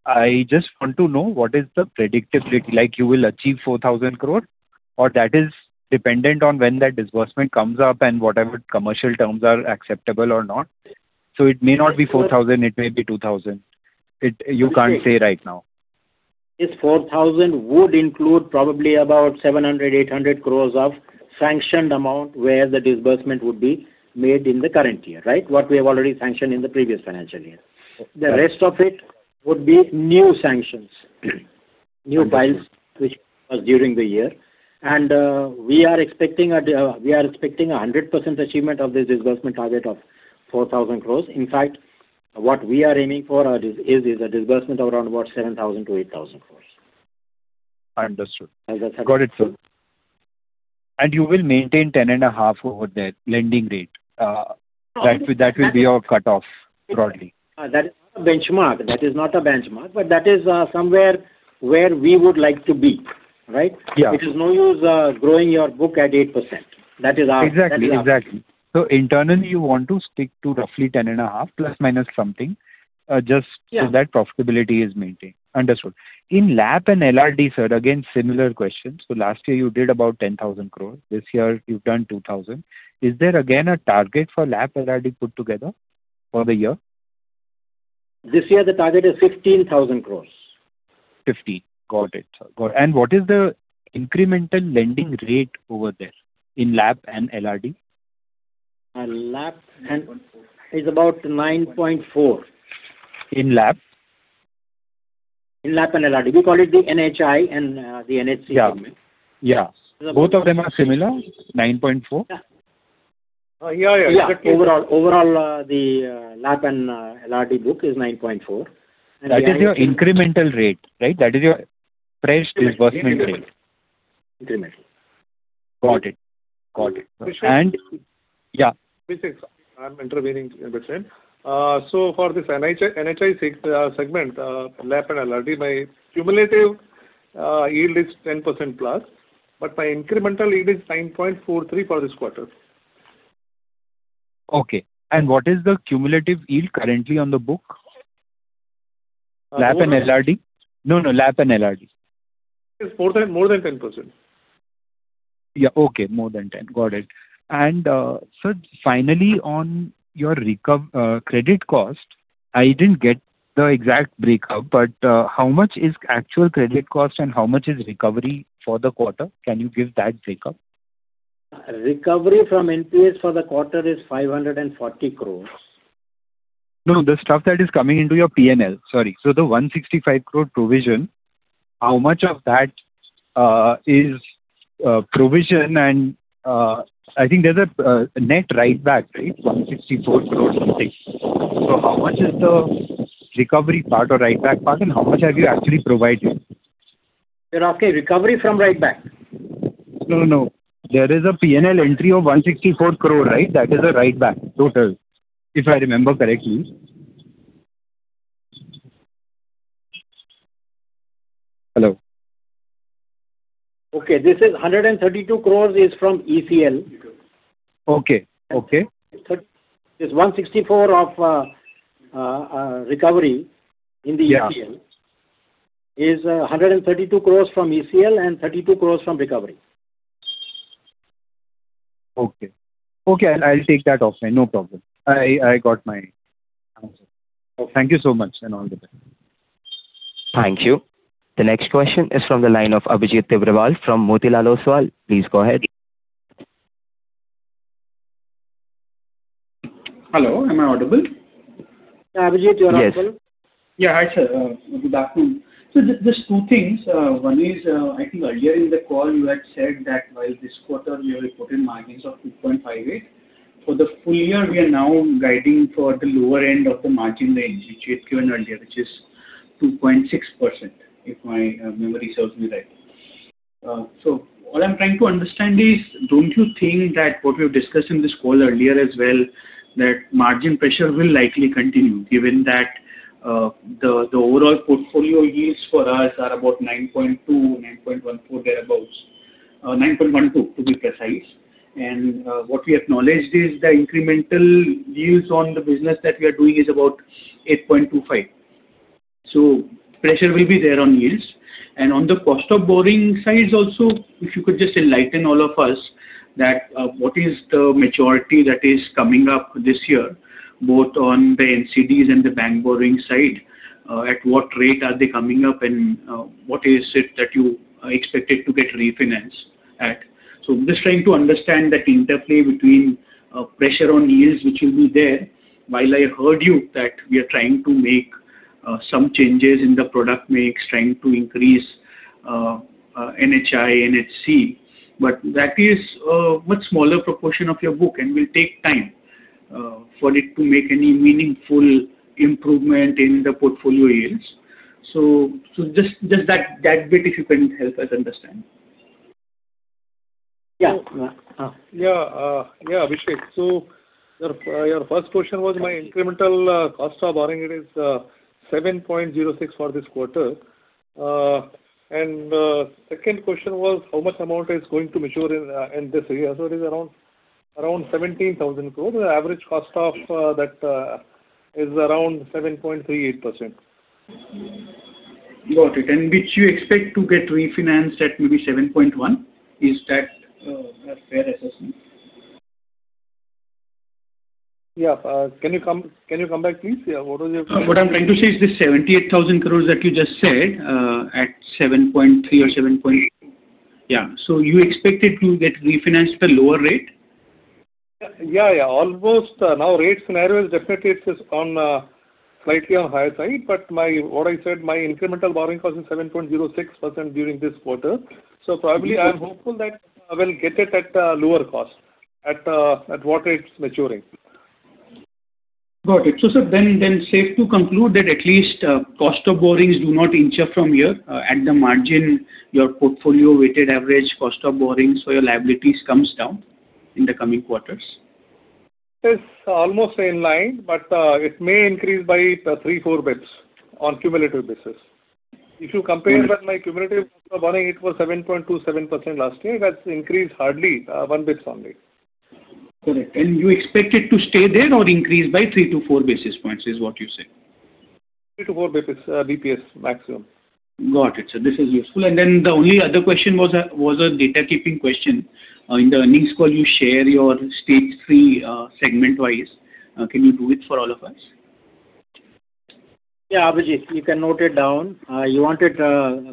I just want to know what is the predictability like. You will achieve 4,000 crore or that is dependent on when that disbursement comes up and whatever commercial terms are acceptable or not. It may not be 4,000, it may be 2,000. You can't say right now. This 4,000 crore would include probably about 700 crore, 800 crore of sanctioned amount where the disbursement would be made in the current year. Right? What we have already sanctioned in the previous financial year. The rest of it would be new sanctions, new files which was during the year. We are expecting 100% achievement of this disbursement target of 4,000 crore. In fact, what we are aiming for is a disbursement around about 7,000 crore-8,000 crore. Understood. Got it, sir. You will maintain 10.5% over there, lending rate? That would be your cutoff broadly. That is not a benchmark. That is not a benchmark, but that is somewhere where we would like to be. Right? Yeah. It is no use growing your book at 8%. Exactly. Internally, you want to stick to roughly 10.5%± something. Yeah. Just so that profitability is maintained. Understood. In LAP and LRD, sir, again, similar question. Last year you did about 10,000 crore. This year you've done 2,000. Is there again a target for LAP and LRD put together for the year? This year the target is 15,000 crore. 15,000 crore. Got it, sir. What is the incremental lending rate over there in LAP and LRD? LAP is about 9.4%. In LAP? In LAP and LRD. We call it the NHI and the NHC segment. Yeah. Both of them are similar, 9.4%? Yeah. Yeah. Yeah. Overall, the LAP and LRD book is 9.4%. That is your incremental rate, right? That is your fresh disbursement rate. Incremental. Got it. Abhishek. Yeah. Abhishek, sorry. I'm intervening, for this NHI segment, LAP and LRD, my cumulative yield is 10%+, but my incremental yield is 9.43% for this quarter. Okay. What is the cumulative yield currently on the book? LAP and LRD. No. LAP and LRD. It is more than 10%. Yeah. Okay. More than 10%. Got it. Sir, finally on your credit cost, I didn't get the exact breakup. How much is actual credit cost and how much is recovery for the quarter? Can you give that breakup? Recovery from NPAs for the quarter is 540 crore. No. The stuff that is coming into your P&L. Sorry. The 165 crore provision, how much of that is provision and I think there's a net write-back, right? 164 crore something. How much is the recovery part or write-back part and how much have you actually provided? Sir, okay. Recovery from write-back. No. There is a P&L entry of 164 crore, right? That is a write-back total, if I remember correctly. Hello? Okay. This is 132 crore is from ECL. Okay. This 164 crore of recovery in the ECL is 132 crore from ECL and 32 crore from recovery. Okay. I'll take that off then, no problem. I got my answer. Thank you so much and all the best. Thank you. The next question is from the line of Abhijit Tibrewal from Motilal Oswal. Please go ahead. Hello, am I audible? Yeah, Abhijit, you are audible. Yes. Yeah. Hi, sir. Good afternoon. Just two things. One is, I think earlier in the call you had said that while this quarter you reported margins of 2.58%, for the full year, we are now guiding for the lower end of the margin range, which you had given earlier, which is 2.6%, if my memory serves me right. What I'm trying to understand is, don't you think that what we have discussed in this call earlier as well, that margin pressure will likely continue, given that the overall portfolio yields for us are about 9.2%, 9.12%, to be precise. What we acknowledged is the incremental yields on the business that we are doing is about 8.25%. Pressure will be there on yields. On the cost of borrowing side also, if you could just enlighten all of us what is the maturity that is coming up this year, both on the NCDs and the bank borrowing side. At what rate are they coming up and what is it that you expected to get refinanced at? I am just trying to understand that interplay between pressure on yields, which will be there, while I heard you that we are trying to make some changes in the product mix, trying to increase NHI, NHC. That is a much smaller proportion of your book and will take time for it to make any meaningful improvement in the portfolio yields. Just that bit, if you can help us understand. Yeah, Abhijit. Your first question was my incremental cost of borrowing. It is 7.06% for this quarter. Second question was how much amount is going to mature in this year. It is around 17,000 crore. The average cost of that is around 7.38%. Got it. Which you expect to get refinanced at maybe 7.1%. Is that a fair assessment? Yeah. Can you come back please? What was your question? What I'm trying to say is the 78,000 crore that you just said, at 7.3%. You expect it to get refinanced at a lower rate? Almost. Rate scenario is, it is slightly on higher side, but what I said, my incremental borrowing cost is 7.06% during this quarter. Probably, I'm hopeful that I will get it at a lower cost, at what it's maturing. Got it. Sir, safe to conclude that at least cost of borrowings do not inch up from here. At the margin, your portfolio weighted average cost of borrowings for your liabilities comes down in the coming quarters. It's almost in line, but it may increase by 3, 4 basis points on cumulative basis. If you compare with my cumulative cost of borrowing, it was 7.27% last year. That's increased hardly 1 basis point only. Correct. You expect it to stay there or increase by 3-4 basis points, is what you say. 3-4 basis points maximum. Got it, sir. This is useful. Then the only other question was a data keeping question. In the earnings call, you share your stage three segment-wise. Can you do it for all of us? Yeah, Abhijit. You can note it down. You want it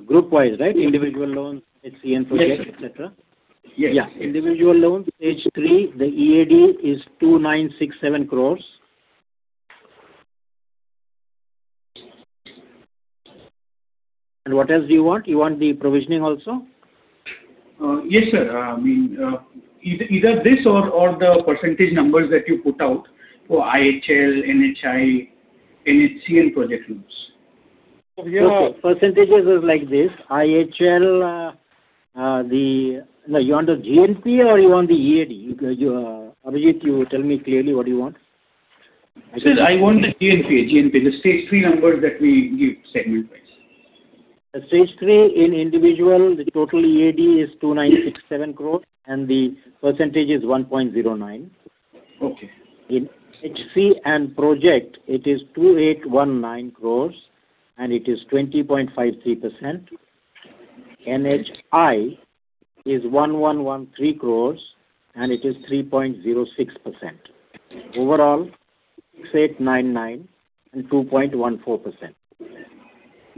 group-wise, right? Individual loans, HC project, et cetera. Yes. Yeah. Individual loans, stage three, the EAD is 2,967 crore. What else do you want? You want the provisioning also? Yes, sir. Either this or the percentage numbers that you put out for IHL, NHI, NHCL project groups. Okay. Percentages is like this. You want the GNP or you want the EAD? Abhijit, you tell me clearly what you want. Sir, I want the GNP. The stage three numbers that we give segment-wise. The stage three in individual, the total EAD is 2,967 crore, and the percentage is 1.09%. Okay. NHC and project, it is 2,819 crore, and it is 20.53%. NHI is 1,113 crore, and it is 3.06%. Overall, 699 core, and 2.14%.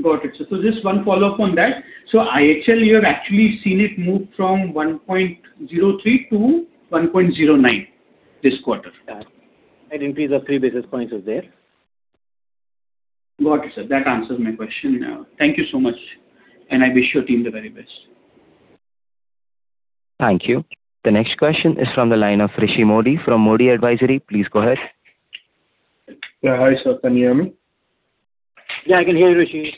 Got it. Just one follow-up on that. IHL, you have actually seen it move from 1.03% to 1.09% this quarter. Yeah. An increase of 3 basis points is there. Got it, sir. That answers my question. Thank you so much, and I wish your team the very best. Thank you. The next question is from the line of Rishi Mody from Mody Advisory. Please go ahead. Yeah. Hi, sir. Can you hear me? Yeah, I can hear you, Rishi.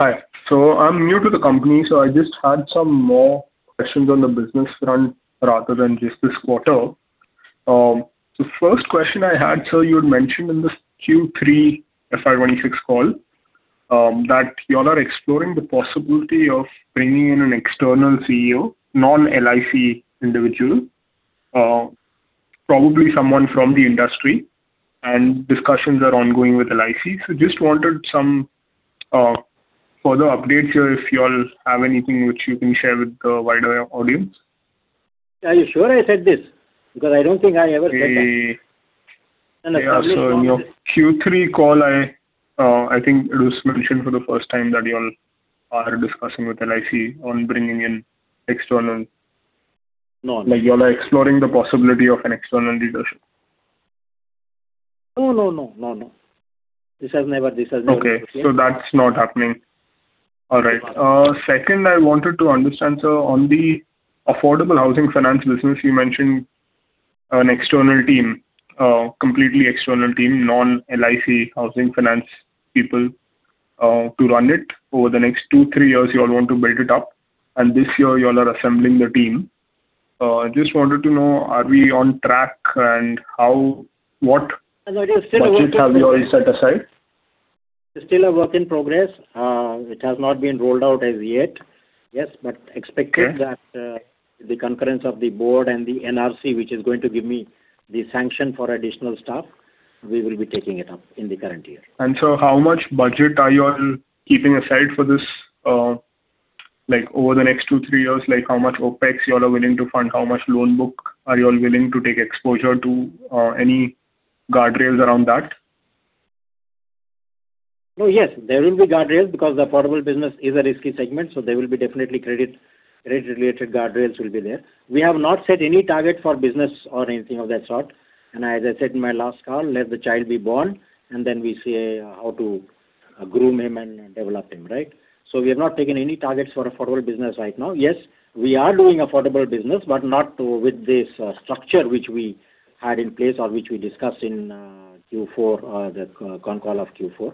Hi. I'm new to the company, so I just had some more questions on the business front rather than just this quarter. The first question I had, sir, you had mentioned in the Q3 FY 2026 call that you all are exploring the possibility of bringing in an external CEO, non-LIC individual, probably someone from the industry, and discussions are ongoing with LIC. Just wanted some further updates here if you all have anything which you can share with the wider audience. Are you sure I said this? I don't think I ever said that. Yeah. In your Q3 call, I think it was mentioned for the first time that you all are discussing with LIC on bringing in external No. Like you all are exploring the possibility of an external leadership. No, no. This has never, okay. Okay. That's not happening. All right. Second, I wanted to understand, on the affordable housing finance business, you mentioned an external team, completely external team, non-LIC Housing Finance people to run it over the next two, three years, you all want to build it up. This year you all are assembling the team. Just wanted to know, are we on track and what budget have you all set aside? It's still a work in progress, which has not been rolled out as yet. Yes, expected that the concurrence of the board and the NRC, which is going to give me the sanction for additional staff, we will be taking it up in the current year. How much budget are you all keeping aside for this over the next two, three years? How much OpEx you all are willing to fund? How much loan book are you all willing to take exposure to? Any guardrails around that? Oh, yes. There will be guardrails because the affordable business is a risky segment, there will be definitely credit-related guardrails will be there. As I said in my last call, let the child be born and then we see how to groom him and develop him, right? We have not taken any targets for affordable business right now. Yes, we are doing affordable business, but not with this structure which we had in place or which we discussed in the con call of Q4.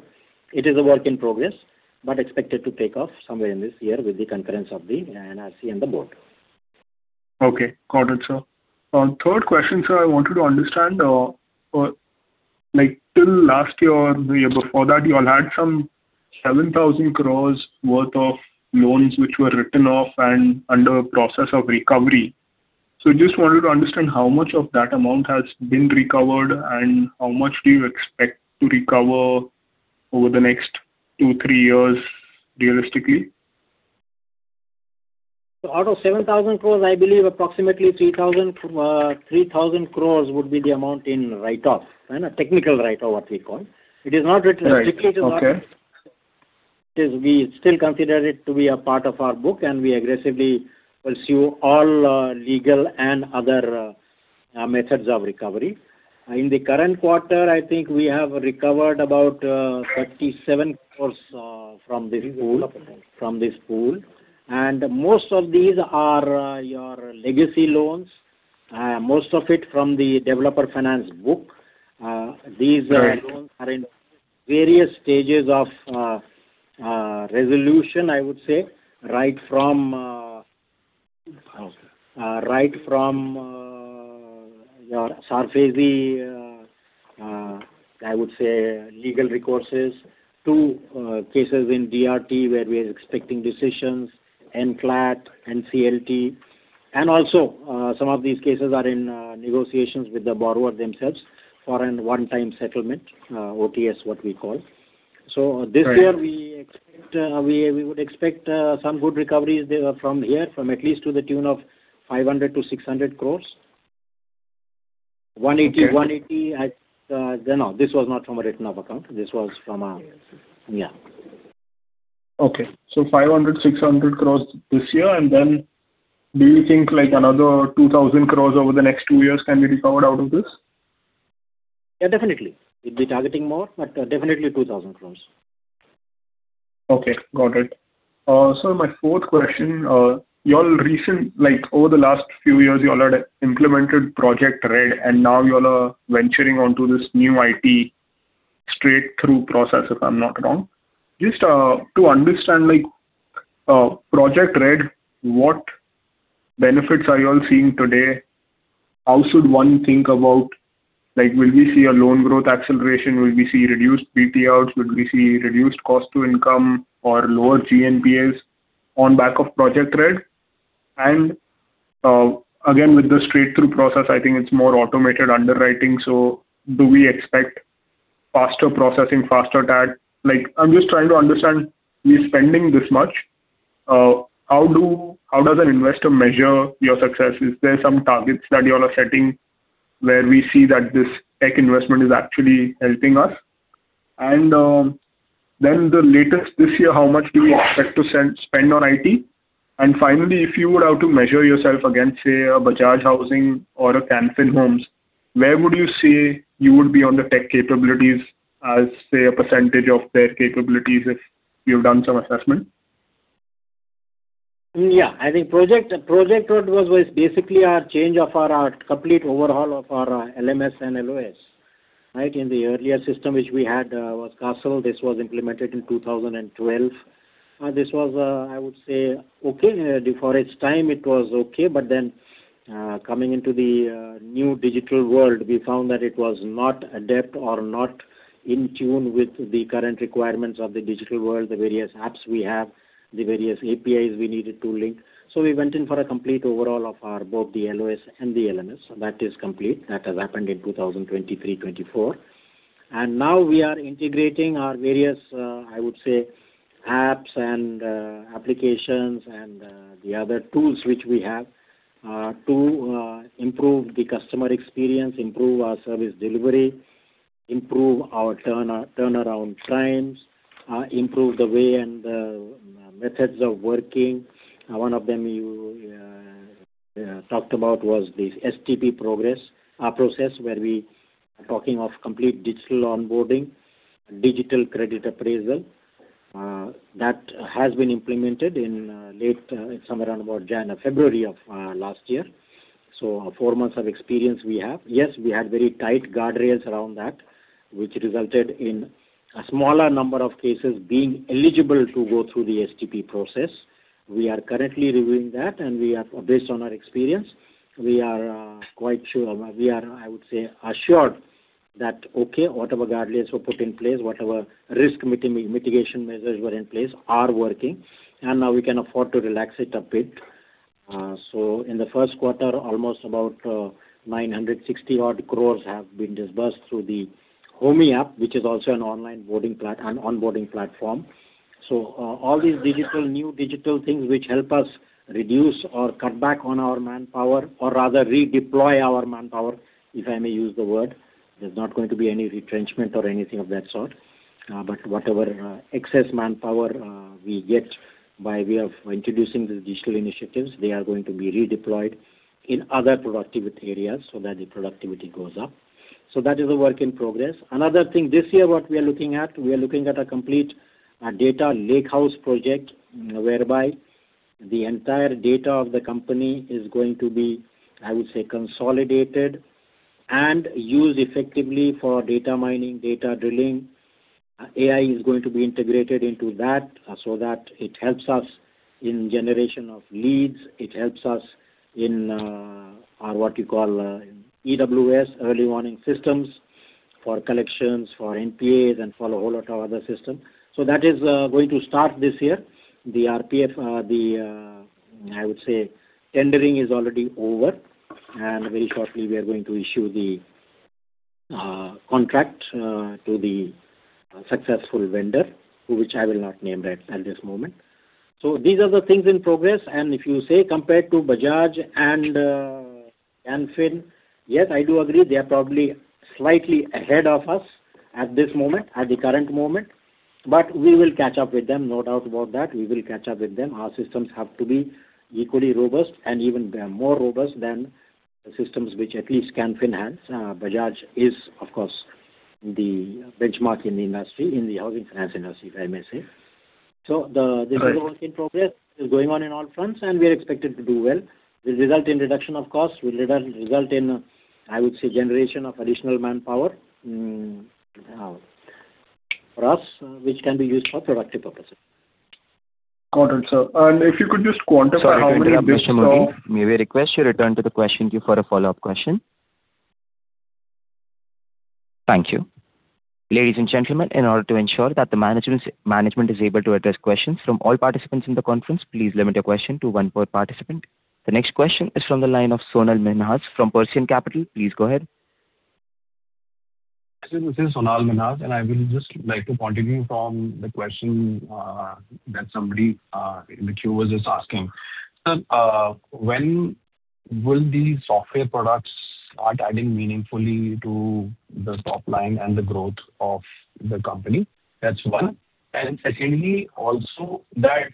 It is a work in progress, but expected to take off somewhere in this year with the concurrence of the NRC and the board. Okay, got it, sir. Third question, sir, I wanted to understand. Till last year or the year before that, you all had some 7,000 crore worth of loans which were written off and under process of recovery. Just wanted to understand how much of that amount has been recovered and how much do you expect to recover over the next two, three years realistically? Out of 7,000 crore, I believe approximately 3,000 crore would be the amount in write-off, technical write-off what we call. Right. Okay. We still consider it to be a part of our book and we aggressively pursue all legal and other methods of recovery. In the current quarter, I think we have recovered about 37 crore from this pool. Most of these are your legacy loans. Most of it from the developer finance book. These loans are in various stages of resolution, I would say. Right from your surface, I would say legal recourses to cases in DRT where we are expecting decisions, NCLAT, NCLT. Also some of these cases are in negotiations with the borrower themselves for a one-time settlement, OTS what we call. This year we would expect some good recoveries from here from at least to the tune of 500 crore-600 crore. 180 crore, no, this was not from a written off account. This was from a, yeah. Okay. 500 crore-600 crore this year. Do you think like another 2,000 crore over the next two years can be recovered out of this? Yeah, definitely. We'll be targeting more, definitely 2,000 crore. Okay, got it. Sir, my fourth question. Over the last few years, you all had implemented Project RED. Now you all are venturing onto this new IT straight-through process, if I'm not wrong. Just to understand Project RED, what benefits are you all seeing today? How should one think about, will we see a loan growth acceleration? Will we see reduced [VPO? Would we see reduced cost to income or lower GNPA on back of Project RED? Again with the straight-through process, I think it's more automated underwriting. Do we expect faster processing, faster tag? I'm just trying to understand, we're spending this much, how does an investor measure your success? Is there some targets that you all are setting where we see that this tech investment is actually helping us? The latest this year, how much do you expect to spend on IT? Finally, if you would have to measure yourself against, say, a Bajaj Housing or a Can Fin Homes, where would you say you would be on the tech capabilities as, say, a percentage of their capabilities if you've done some assessment? I think Project RED was basically our change of our complete overhaul of our LMS and LOS, right? In the earlier system, which we had was Castle. This was implemented in 2012. This was, I would say okay. For its time it was okay, coming into the new digital world, we found that it was not adept or not in tune with the current requirements of the digital world, the various apps we have, the various APIs we needed to link. We went in for a complete overhaul of our both the LOS and the LMS. That is complete. That has happened in 2023, 2024. Now we are integrating our various, I would say, apps and applications and the other tools which we have to improve the customer experience, improve our service delivery, improve our turnaround times, improve the way and the methods of working. One of them you talked about was this STP process, where we are talking of complete digital onboarding, digital credit appraisal. That has been implemented in late, somewhere around about February of last year. Four months of experience we have. Yes, we had very tight guardrails around that, which resulted in a smaller number of cases being eligible to go through the STP process. We are currently reviewing that, based on our experience, we are quite sure, we are, I would say, assured that, okay, whatever guardrails were put in place, whatever risk mitigation measures were in place are working, now we can afford to relax it a bit. In the first quarter, almost about 960 crore have been disbursed through the HomY App, which is also an onboarding platform. All these new digital things which help us reduce or cut back on our manpower or rather redeploy our manpower, if I may use the word. There's not going to be any retrenchment or anything of that sort. Whatever excess manpower we get by way of introducing these digital initiatives, they are going to be redeployed in other productivity areas so that the productivity goes up. That is a work in progress. Another thing, this year, what we are looking at, we are looking at a complete data Lakehouse project, whereby the entire data of the company is going to be, I would say, consolidated and used effectively for data mining, data drilling. AI is going to be integrated into that so that it helps us in generation of leads. It helps us in our, what you call EWS, early warning systems for collections, for NPAs and for a whole lot of other systems. That is going to start this year. The RFP, I would say, tendering is already over, very shortly we are going to issue the contract to the successful vendor, which I will not name at this moment. These are the things in progress. If you say compared to Bajaj and Can Fin, yes, I do agree, they are probably slightly ahead of us at this moment, at the current moment, but we will catch up with them, no doubt about that. We will catch up with them. Our systems have to be equally robust and even more robust than systems which at least Can Fin has. Bajaj is, of course, the benchmark in the industry, in the housing finance industry, if I may say. Right. This is a work in progress, is going on in all fronts, we are expected to do well. This result in reduction of costs will result in, I would say, generation of additional manpower for us, which can be used for productive purposes. Got it, sir. If you could just quantify how many bits of. Sorry to interrupt you, Mr. Mody. May we request you return to the question queue for a follow-up question. Thank you. Ladies and gentlemen, in order to ensure that the management is able to address questions from all participants in the conference, please limit your question to one per participant. The next question is from the line of Sonal Minhas from Prescient Capital. Please go ahead. This is Sonal Minhas. I will just like to continue from the question that somebody in the queue was just asking. Sir, when will these software products start adding meaningfully to the top line and the growth of the company? That's one. Secondly, also that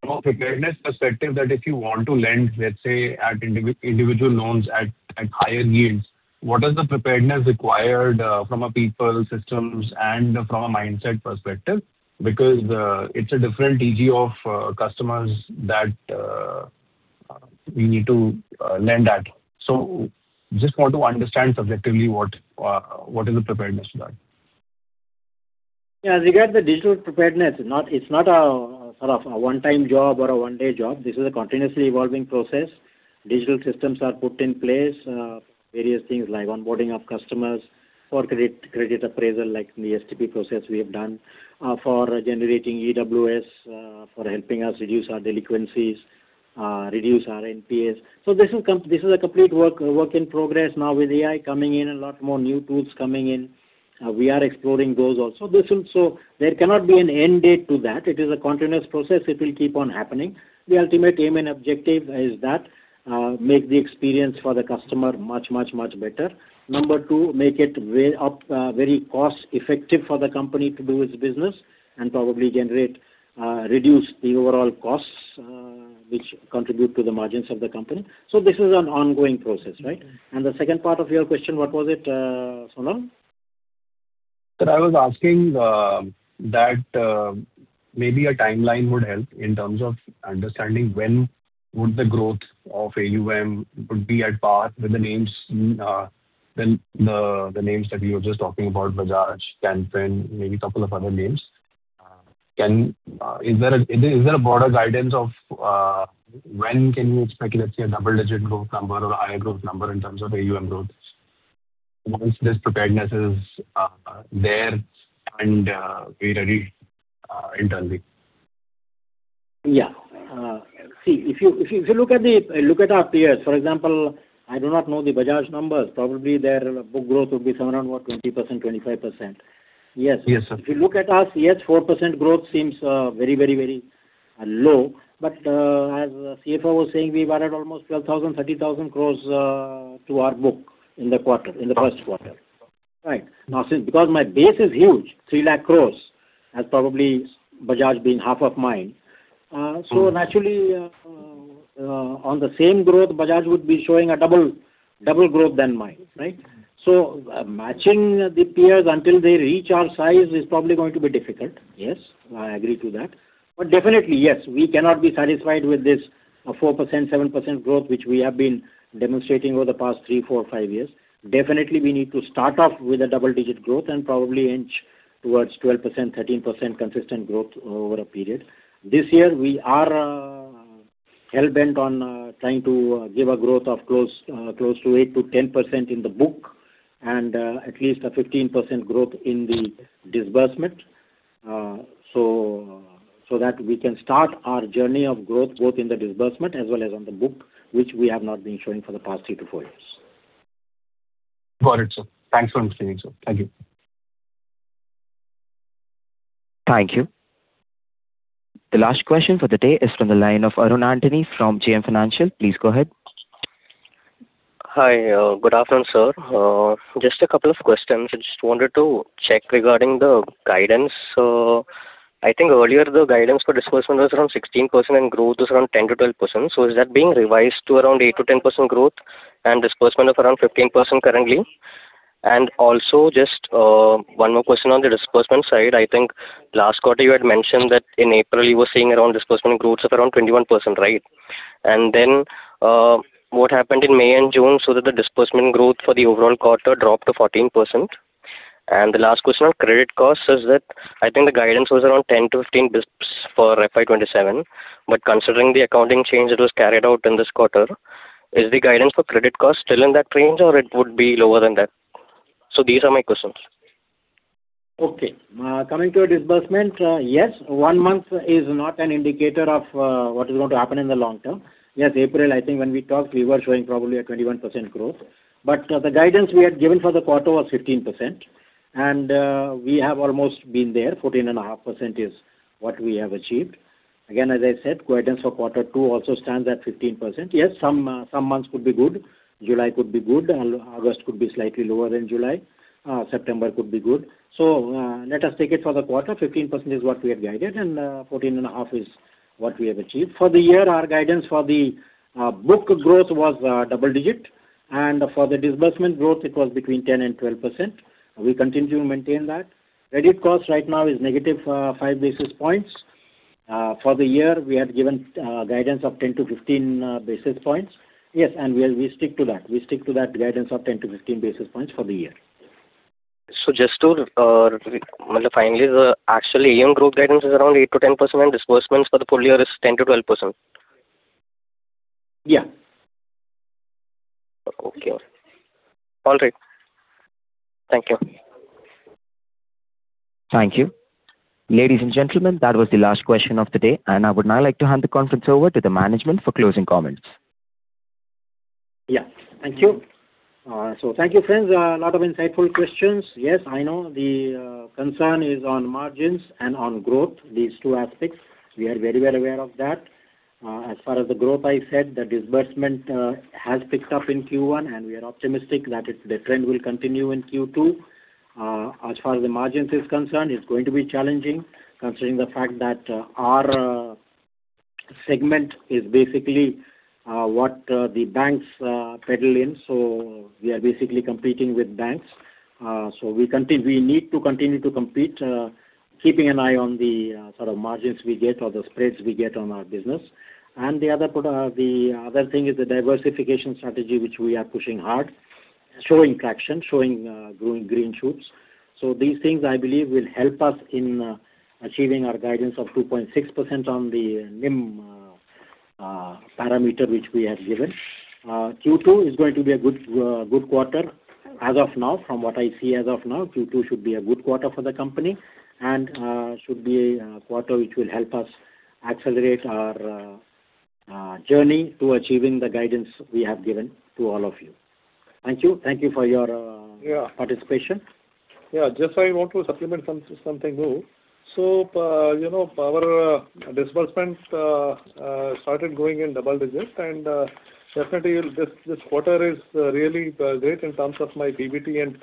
from a preparedness perspective that if you want to lend, let's say, at individual loans at higher yields, what is the preparedness required from a people systems and from a mindset perspective? Because it's a different TG of customers that we need to lend at. Just want to understand subjectively what is the preparedness for that. Yeah, regarding the digital preparedness, it's not a one-time job or a one-day job. This is a continuously evolving process. Digital systems are put in place, various things like onboarding of customers for credit appraisal, like the STP process we have done for generating EWS, for helping us reduce our delinquencies, reduce our NPAs. This is a complete work in progress. Now with AI coming in, a lot more new tools coming in. We are exploring those also. There cannot be an end date to that. It is a continuous process. It will keep on happening. The ultimate aim and objective is that make the experience for the customer much, much, much better. Number two, make it very cost-effective for the company to do its business and probably reduce the overall costs, which contribute to the margins of the company. This is an ongoing process, right? The second part of your question, what was it, Sonal? Sir, I was asking that maybe a timeline would help in terms of understanding when would the growth of AUM would be at par with the names that you were just talking about, Bajaj, Can Fin, maybe couple of other names. Is there a broader guidance of when can we expect, let's say, a double-digit growth number or a higher growth number in terms of AUM growth once this preparedness is there and we're ready internally? Yeah. If you look at our peers, for example, I do not know the Bajaj numbers. Probably their book growth would be somewhere around 20%-25%. Yes. Yes, sir. If you look at us, yes, 4% growth seems very low. As CFO was saying, we've added almost 12,000 crore, 30,000 crore to our book in the first quarter. Right. Since because my base is huge, 3 lakh crore, as probably Bajaj being half of mine. Naturally, on the same growth, Bajaj would be showing a double growth than mine, right? Matching the peers until they reach our size is probably going to be difficult. Yes, I agree to that. Definitely, yes, we cannot be satisfied with this 4%, 7% growth, which we have been demonstrating over the past three, four, five years. Definitely, we need to start off with a double-digit growth and probably inch towards 12%-13% consistent growth over a period. This year, we are hell-bent on trying to give a growth of close to 8%-10% in the book, and at least a 15% growth in the disbursement, that we can start our journey of growth, both in the disbursement as well as on the book, which we have not been showing for the past three to four years. Got it, sir. Thanks for explaining, sir. Thank you. Thank you. The last question for the day is from the line of Arun Antony from JM Financial. Please go ahead. Hi. Good afternoon, sir. Just a couple of questions. I think earlier the guidance for disbursement was around 16% and growth was around 10%-12%. Is that being revised to around 8%-10% growth and disbursement of around 15% currently? Also just one more question on the disbursement side. I think last quarter you had mentioned that in April you were seeing around disbursement growth of around 21%, right? Then what happened in May and June so that the disbursement growth for the overall quarter dropped to 14%? The last question on credit costs is that I think the guidance was around 10-15 basis points for FY 2027. Considering the accounting change that was carried out in this quarter, is the guidance for credit cost still in that range, or it would be lower than that? These are my questions. Coming to disbursement. Yes, one month is not an indicator of what is going to happen in the long term. Yes, April, I think when we talked, we were showing probably a 21% growth. The guidance we had given for the quarter was 15%, and we have almost been there. 14.5% is what we have achieved. Again, as I said, guidance for quarter two also stands at 15%. Yes, some months could be good. July could be good, August could be slightly lower than July. September could be good. Let us take it for the quarter. 15% is what we had guided, and 14.5% is what we have achieved. For the year, our guidance for the book growth was double digit, and for the disbursement growth, it was between 10% and 12%. We continue to maintain that. Credit cost right now is -5 basis points. For the year, we had given guidance of 10-15 basis points. We stick to that. We stick to that guidance of 10-15 basis points for the year. Just to clarify, actually AUM growth guidance is around 8%-10%, and disbursements for the full year is 10%-12%? Yeah. All right. Thank you. Thank you. Ladies and gentlemen, that was the last question of the day. I would now like to hand the conference over to the management for closing comments. Yeah. Thank you. Thank you, friends. A lot of insightful questions. Yes, I know the concern is on margins and on growth, these two aspects. We are very well aware of that. As far as the growth, I said, the disbursement has picked up in Q1. We are optimistic that the trend will continue in Q2. As far as the margins is concerned, it's going to be challenging considering the fact that our segment is basically what the banks peddle in. We are basically competing with banks. We need to continue to compete, keeping an eye on the sort of margins we get or the spreads we get on our business. The other thing is the diversification strategy, which we are pushing hard, showing traction, showing growing green shoots. These things, I believe, will help us in achieving our guidance of 2.6% on the NIM parameter, which we have given. Q2 is going to be a good quarter as of now. From what I see as of now, Q2 should be a good quarter for the company, should be a quarter which will help us accelerate our journey to achieving the guidance we have given to all of you. Thank you. Thank you for your participation. Yeah. Just I want to supplement something, though. Our disbursements started growing in double digits. Definitely this quarter is really great in terms of my PBT and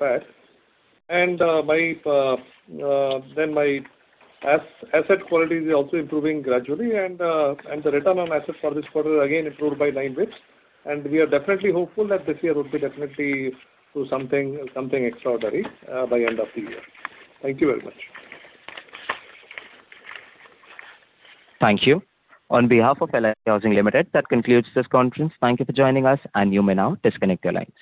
PAT. My asset quality is also improving gradually. The return on assets for this quarter again improved by 9 basis points. We are definitely hopeful that this year would be definitely do something extraordinary by end of the year. Thank you very much. Thank you. On behalf of LIC Housing Limited, that concludes this conference. Thank you for joining us. You may now disconnect your lines.